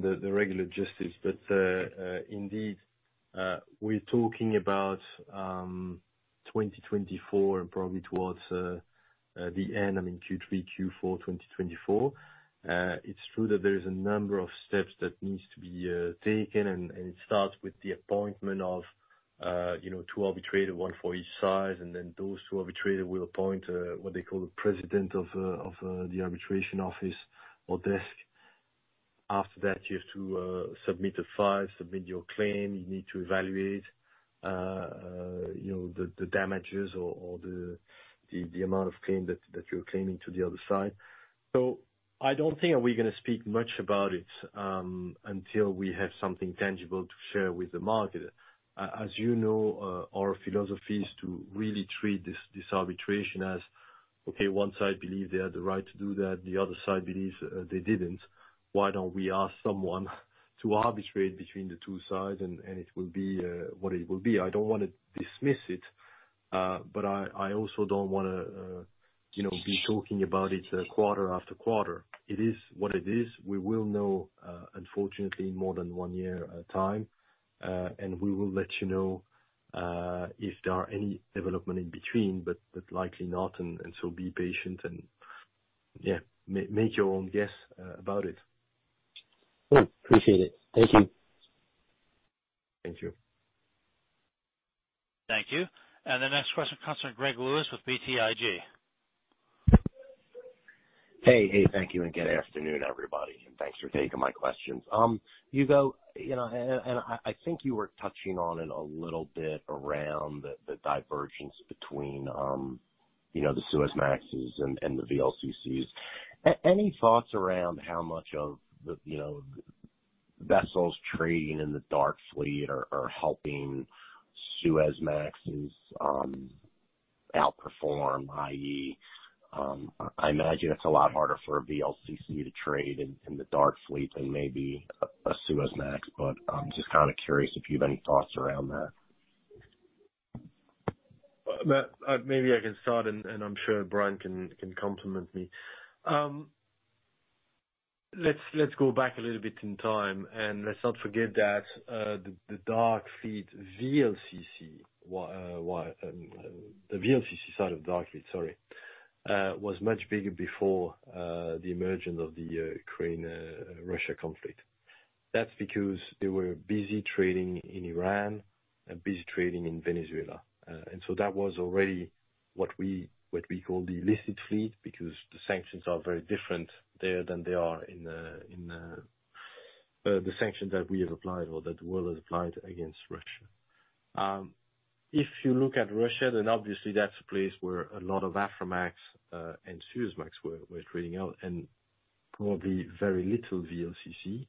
the regular justice. Indeed, we're talking about 2024 and probably towards the end, I mean, Q3, Q4 2024. It's true that there is a number of steps that needs to be taken, and it starts with the appointment of, you know, two arbitrators, one for each side. Those two arbitrators will appoint what they call the president of the arbitration office or desk. After that, you have to submit a file, submit your claim. You need to evaluate, you know, the damages or the amount of claim that you're claiming to the other side. I don't think are we gonna speak much about it until we have something tangible to share with the market. As you know, our philosophy is to really treat this arbitration as, okay, one side believe they had the right to do that, the other side believes they didn't. Why don't we ask someone to arbitrate between the two sides? It will be what it will be. I don't wanna dismiss it, but I also don't wanna, you know, be talking about it quarter after quarter. It is what it is. We will know, unfortunately, in more than one year at a time. We will let you know, if there are any development in between, but likely not. So be patient and make your own guess about it. Cool. Appreciate it. Thank you. Thank you. Thank you. The next question comes from Greg Lewis with BTIG. Hey, hey. Thank you and good afternoon, everybody, thanks for taking my questions. Hugo, you know, and I think you were touching on it a little bit around the divergence between, you know, the Suezmaxes and the VLCCs. Any thoughts around how much of the, you know, vessels trading in the dark fleet are helping Suezmaxes outperform, i.e., I imagine it's a lot harder for a VLCC to trade in the dark fleet than maybe a Suezmax. I'm just kinda curious if you have any thoughts around that. Maybe I can start. I'm sure Brian can complement me. Let's go back a little bit in time. Let's not forget that the dark fleet VLCC, the VLCC side of dark fleet, sorry, was much bigger before the emergence of the Ukraine Russia conflict. That's because they were busy trading in Iran and busy trading in Venezuela. That was already what we call the illicit fleet because the sanctions are very different there than they are in the sanctions that we have applied or that the world has applied against Russia. If you look at Russia, obviously that's a place where a lot of Aframax and Suezmax were trading out, and probably very little VLCC.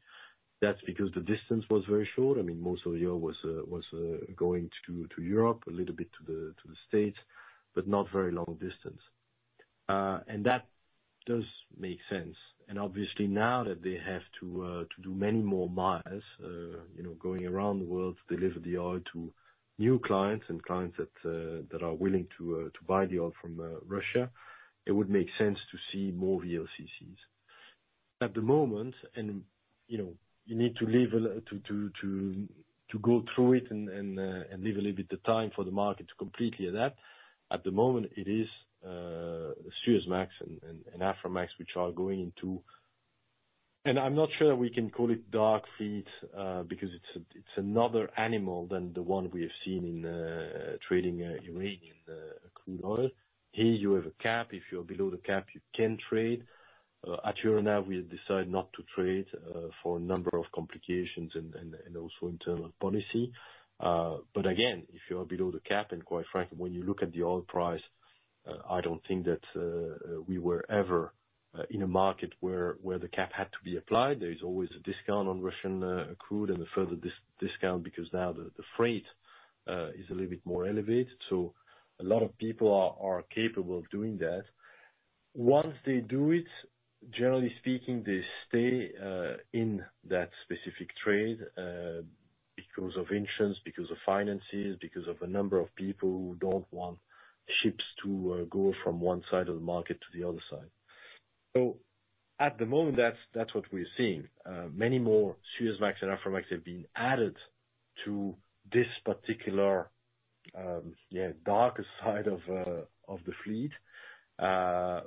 That's because the distance was very short. I mean, most of the oil was going to Europe, a little bit to the States, but not very long distance. That does make sense. Obviously now that they have to do many more miles, you know, going around the world to deliver the oil to new clients and clients that are willing to buy the oil from Russia, it would make sense to see more VLCCs. At the moment, you know, you need to leave to go through it and leave a little bit of time for the market to completely adapt. At the moment, it is Suezmax and Aframax which are going into... I'm not sure that we can call it dark fleet, because it's another animal than the one we have seen in trading Iranian crude oil. Here you have a cap. If you're below the cap, you can trade. At Euronav, we've decided not to trade for a number of complications and also internal policy. Again, if you are below the cap, and quite frankly, when you look at the oil price, I don't think that we were ever in a market where the cap had to be applied. There is always a discount on Russian crude and a further discount because now the freight is a little bit more elevated, so a lot of people are capable of doing that. Once they do it, generally speaking, they stay in that specific trade, because of insurance, because of finances, because of a number of people who don't want ships to go from one side of the market to the other side. At the moment, that's what we're seeing. Many more Suezmax and Aframax have been added to this particular darker side of the fleet. The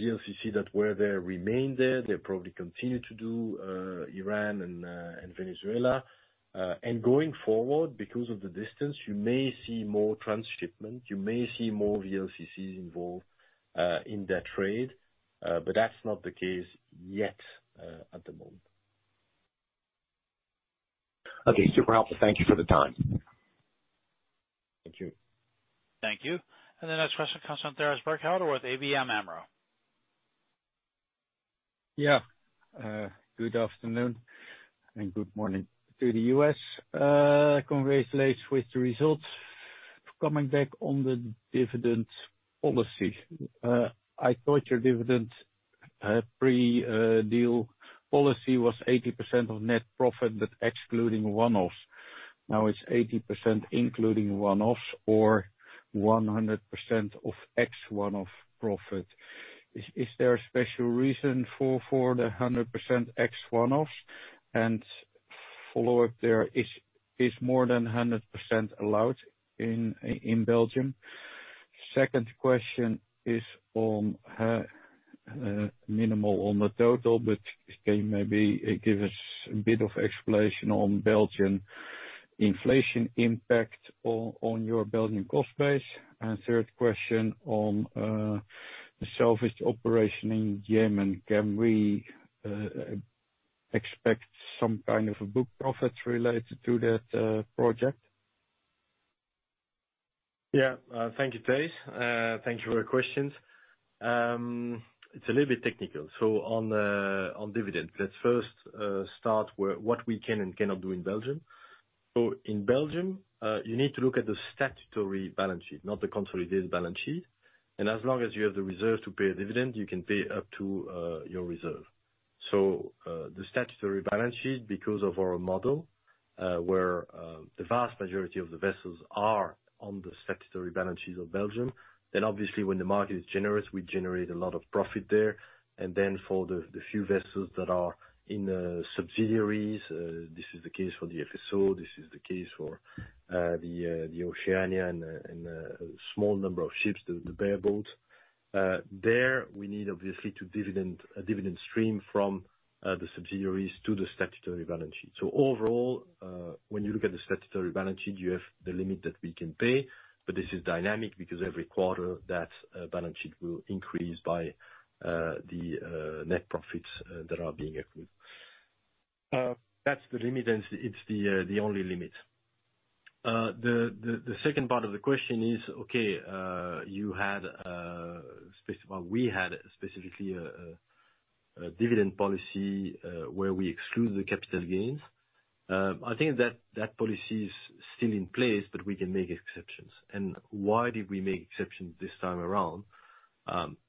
VLCC that were there remain there. They probably continue to do Iran and Venezuela. Going forward, because of the distance, you may see more transshipment, you may see more VLCCs involved in that trade. That's not the case yet, at the moment. Okay, super helpful. Thank you for the time. Thank you. Thank you. The next question comes from Thijs Berkelder with ABN AMRO. Yeah. Good afternoon and good morning to the U.S. Congratulations with the results. Coming back on the dividend policy, I thought your dividend pre-deal policy was 80% of net profit, but excluding one-offs. Now it's 80% including one-offs or 100% of ex one-off profit. Is there a special reason for the 100% ex one-offs? Follow-up there, is more than 100% allowed in Belgium? Second question is on minimal on the total, but can you maybe give us a bit of explanation on Belgian inflation impact on your Belgian cost base? Third question on the salvage operation in Yemen. Can we expect some kind of a book profit related to that project? Yeah. Thank you, Thijs. Thank you for your questions. It's a little bit technical. On dividends, let's first start with what we can and cannot do in Belgium. In Belgium, you need to look at the statutory balance sheet, not the consolidated balance sheet. As long as you have the reserves to pay a dividend, you can pay up to your reserve. The statutory balance sheet, because of our model, where the vast majority of the vessels are on the statutory balance sheet of Belgium, obviously when the market is generous, we generate a lot of profit there. For the few vessels that are in subsidiaries, this is the case for the FSO, this is the case for the Oceania and the small number of ships, the bare boats. There, we need obviously to dividend, a dividend stream from the subsidiaries to the statutory balance sheet. Overall, when you look at the statutory balance sheet, you have the limit that we can pay, but this is dynamic because every quarter that balance sheet will increase by the net profits that are being accrued. That's the limit and it's the only limit. The second part of the question is, okay, Well, we had specifically a dividend policy, where we exclude the capital gains. I think that that policy is still in place, but we can make exceptions. Why did we make exceptions this time around?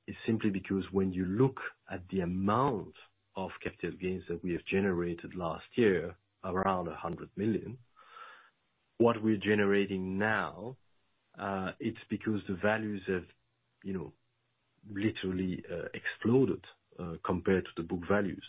It's simply because when you look at the amount of capital gains that we have generated last year, around $100 million, what we're generating now, it's because the values have, you know, literally, exploded, compared to the book values.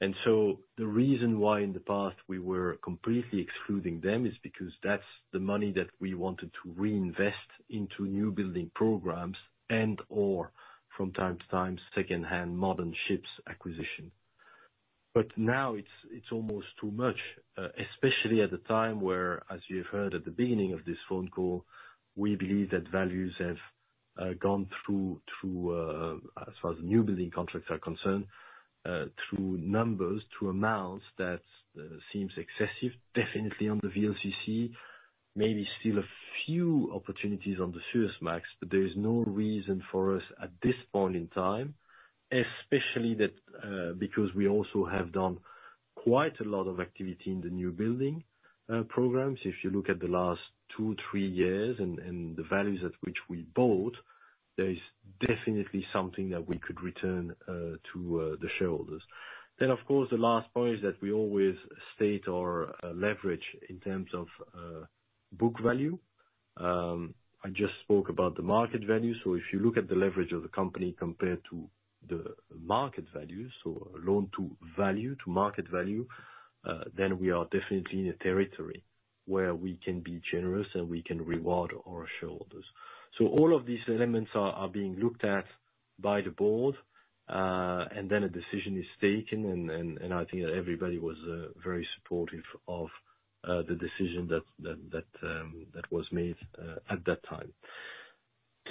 The reason why in the past we were completely excluding them is because that's the money that we wanted to reinvest into new building programs and/or from time to time secondhand modern ships acquisition. Now it's almost too much, especially at the time where, as you've heard at the beginning of this phone call, we believe that values gone through, as far as new building contracts are concerned, through numbers, through amounts that seems excessive, definitely on the VLCC, maybe still a few opportunities on the Suezmax, but there is no reason for us at this point in time, especially that, because we also have done quite a lot of activity in the new building programs. If you look at the last two, three years and the values at which we bought, there is definitely something that we could return to the shareholders. Of course, the last point is that we always state our leverage in terms of book value. I just spoke about the market value. If you look at the leverage of the company compared to the market value, loan-to-value, to market value, then we are definitely in a territory where we can be generous, and we can reward our shareholders. All of these elements are being looked at by the board, and then a decision is taken. I think everybody was very supportive of the decision that was made at that time.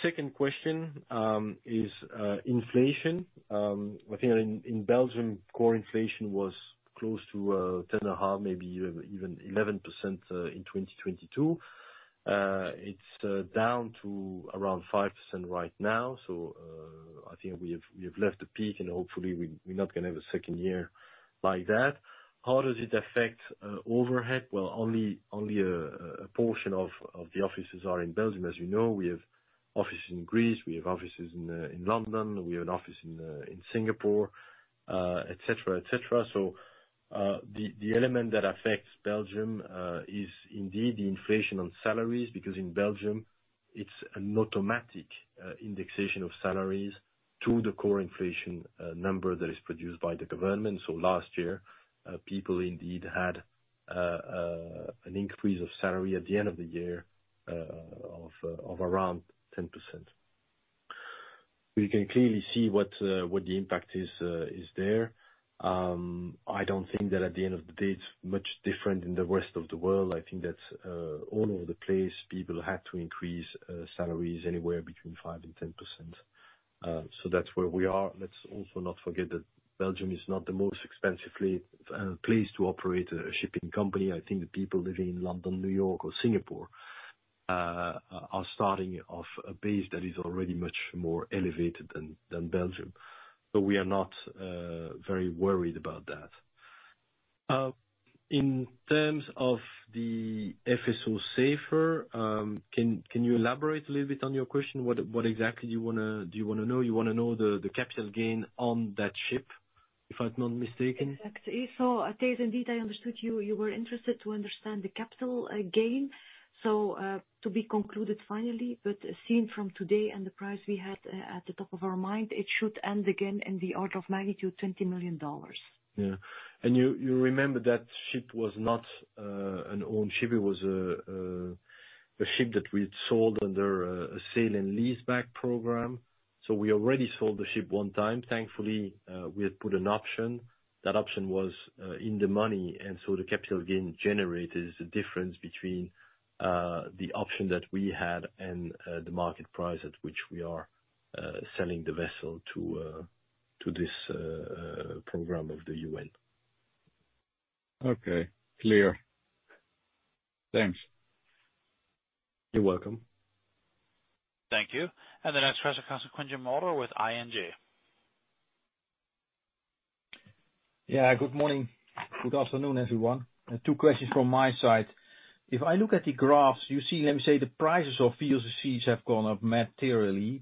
Second question is inflation. I think in Belgium, core inflation was close to 10.5%, maybe 11%, in 2022. It's down to around 5% right now. I think we have left the peak, and hopefully we're not gonna have a second year like that. How does it affect overhead? Well, only a portion of the offices are in Belgium. As you know, we have offices in Greece, we have offices in London, we have an office in Singapore, et cetera, et cetera. The element that affects Belgium is indeed the inflation on salaries, because in Belgium it's an automatic indexation of salaries to the core inflation number that is produced by the government. Last year, people indeed had an increase of salary at the end of the year of around 10%. We can clearly see what the impact is there. I don't think that at the end of the day it's much different in the rest of the world. I think that, all over the place, people had to increase salaries anywhere between 5% and 10%. That's where we are. Let's also not forget that Belgium is not the most expensively place to operate a shipping company. I think the people living in London, New York or Singapore are starting off a base that is already much more elevated than Belgium. We are not very worried about that. In terms of the FSO Safer, can you elaborate a little bit on your question? What exactly do you wanna know? You wanna know the capital gain on that ship, if I'm not mistaken? Exactly. Thijs indeed, I understood you. You were interested to understand the capital gain. To be concluded finally, but seen from today and the price we had at the top of our mind, it should end again in the order of magnitude, $20 million. You, you remember that ship was not an owned ship. It was a ship that we had sold under a sale and leaseback program. We already sold the ship one time. Thankfully, we had put an option. That option was in the money, the capital gain generated is the difference between the option that we had and the market price at which we are selling the vessel to this program of the UN. Okay, clear. Thanks. You're welcome. Thank you. The next question comes from Quirijn Mulder with ING. Yeah. Good morning. Good afternoon, everyone. Two questions from my side. If I look at the graphs you see, let me say the prices of VLCCs have gone up materially.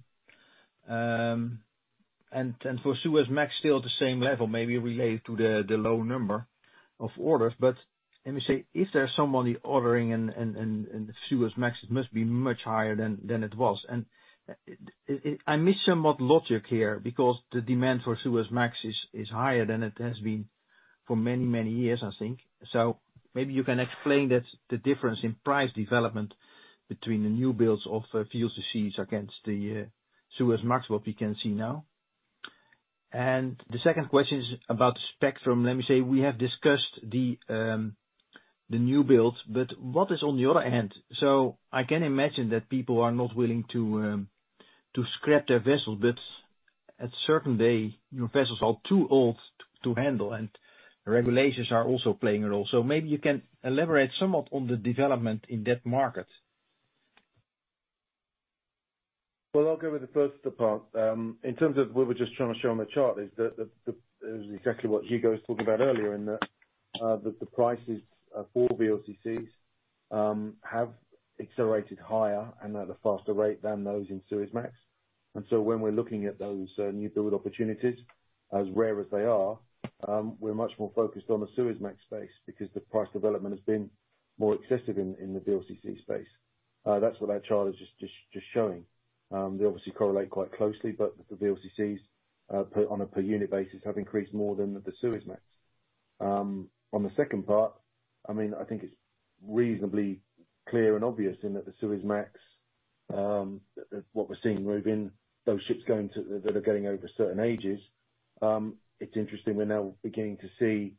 And for Suezmax, still the same level, maybe related to the low number of orders. Let me say, if there's somebody ordering and Suezmax, it must be much higher than it was. I miss somewhat logic here because the demand for Suezmax is higher than it has been for many, many years, I think. Maybe you can explain that, the difference in price development between the new builds of VLCCs against the Suezmax, what we can see now. The second question is about the spectrum. Let me say, we have discussed the new builds, but what is on the other hand? I can imagine that people are not willing to scrap their vessels. At certain day, your vessels are too old to handle, and regulations are also playing a role. Maybe you can elaborate somewhat on the development in that market. Well, I'll go with the first part. In terms of what we're just trying to show on the chart is that it was exactly what Hugo was talking about earlier, in that the prices for VLCCs have accelerated higher and at a faster rate than those in Suezmax. When we're looking at those new build opportunities, as rare as they are, we're much more focused on the Suezmax space because the price development has been more excessive in the VLCC space. That's what that chart is just showing. They obviously correlate quite closely, but the VLCCs on a per unit basis have increased more than the Suezmax. On the second part, I mean, I think it's reasonably clear and obvious in that the Suezmax, what we're seeing moving, those ships that are going over certain ages. It's interesting, we're now beginning to see.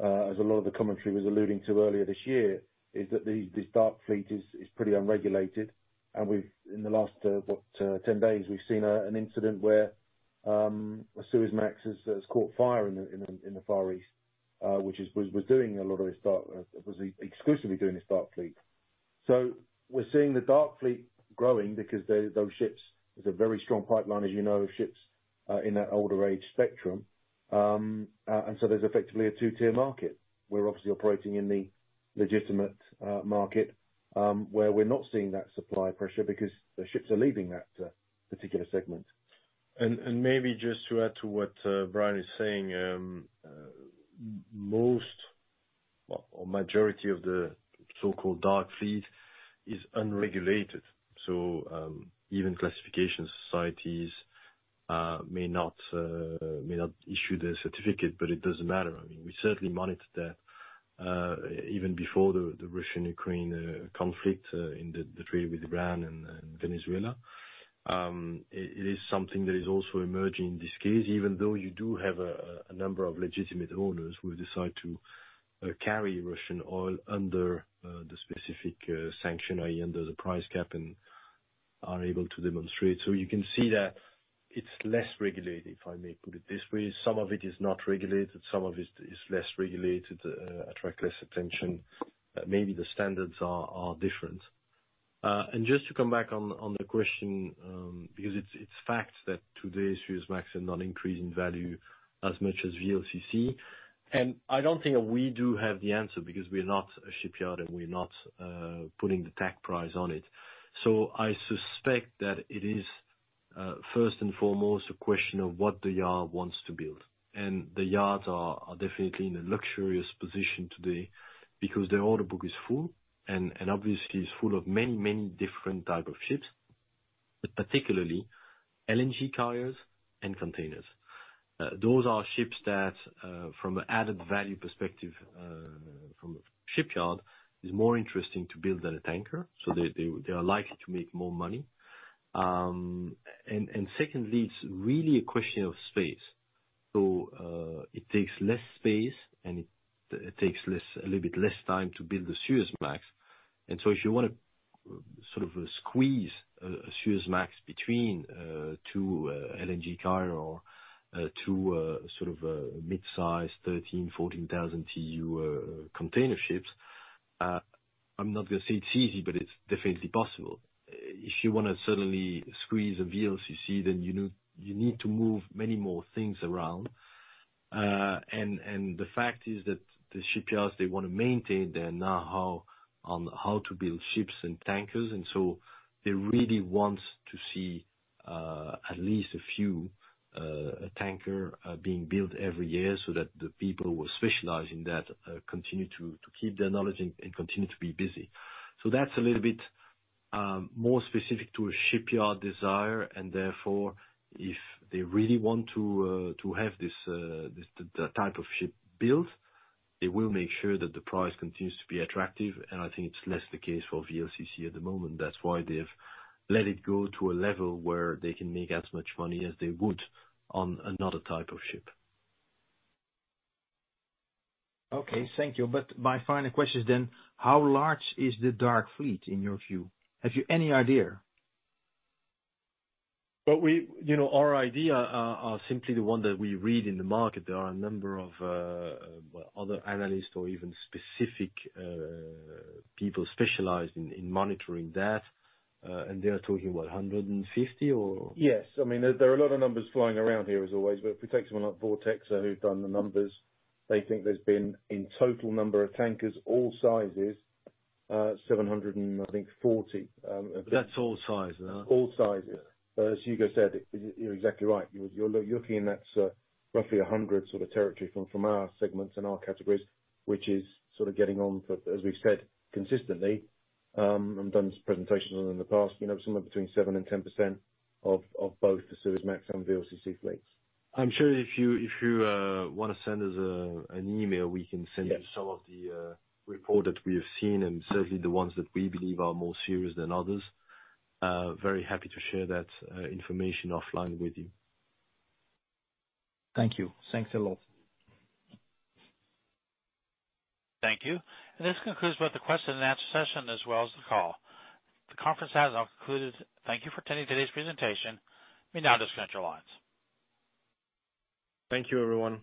As a lot of the commentary was alluding to earlier this year, that these, this dark fleet is pretty unregulated. In the last, what, 10 days, we've seen an incident where a Suezmax has caught fire in the Far East, which was doing a lot of its dark. Was exclusively doing its dark fleet. We're seeing the dark fleet growing because those ships, there's a very strong pipeline, as you know, of ships in that older age spectrum. There's effectively a two-tier market. We're obviously operating in the legitimate market, where we're not seeing that supply pressure because the ships are leaving that particular segment. Maybe just to add to what Brian is saying, most or majority of the so-called dark fleet is unregulated, so, even classification societies may not, may not issue the certificate, but it doesn't matter. I mean, we certainly monitor that even before the Russian-Ukraine conflict in the trade with Iran and Venezuela. It is something that is also emerging in this case, even though you do have a number of legitimate owners who decide to carry Russian oil under the specific sanction, i.e. under the price cap, and are able to demonstrate. You can see that it's less regulated, if I may put it this way. Some of it is not regulated, some of it is less regulated, attract less attention. Maybe the standards are different. Just to come back on the question, because it's fact that today's Suezmax are not increasing value as much as VLCC. I don't think we do have the answer because we're not a shipyard and we're not putting the tag price on it. I suspect that it is, first and foremost, a question of what the yard wants to build. The yards are definitely in a luxurious position today because their order book is full, and obviously is full of many different type of ships, but particularly LNG carriers and containers. Those are ships that, from added value perspective, from a shipyard, is more interesting to build than a tanker, so they are likely to make more money. Secondly, it's really a question of space. It takes less space and it takes less, a little bit less time to build a Suezmax. If you wanna sort of squeeze a Suezmax between two LNG carrier or two sort of mid-size 13, 14 thousand TEU container ships, I'm not gonna say it's easy, but it's definitely possible. If you wanna suddenly squeeze a VLCC, then you need to move many more things around. The fact is that the shipyards, they wanna maintain their know-how on how to build ships and tankers, they really want to see, at least a few, tanker, being built every year so that the people who specialize in that, continue to keep their knowledge and continue to be busy. That's a little bit more specific to a shipyard desire and therefore if they really want to have this type of ship built, they will make sure that the price continues to be attractive. I think it's less the case for VLCC at the moment. That's why they've let it go to a level where they can make as much money as they would on another type of ship. Okay, thank you. My final question is then, how large is the dark fleet in your view? Have you any idea? We, you know, our idea, are simply the one that we read in the market. There are a number of other analysts or even specific people specialized in monitoring that, and they are talking what, 150 or? Yes. I mean, there are a lot of numbers flying around here as always, but if we take someone like Vortexa who's done the numbers, they think there's been in total number of tankers, all sizes, 740, I think. That's all sizes, huh? All sizes. As Hugo said, you're exactly right. You're looking in that, roughly 100 sort of territory from our segments and our categories, which is sort of getting on for, as we've said consistently, and done this presentation in the past, you know, somewhere between 7% and 10% of both the Suezmax and VLCC fleets. I'm sure if you wanna send us an email. Yes. some of the report that we have seen and certainly the ones that we believe are more serious than others. Very happy to share that information offline with you. Thank you. Thanks a lot. Thank you. This concludes with the question and answer session as well as the call. The conference has now concluded. Thank you for attending today's presentation. You may now disconnect your lines. Thank you, everyone.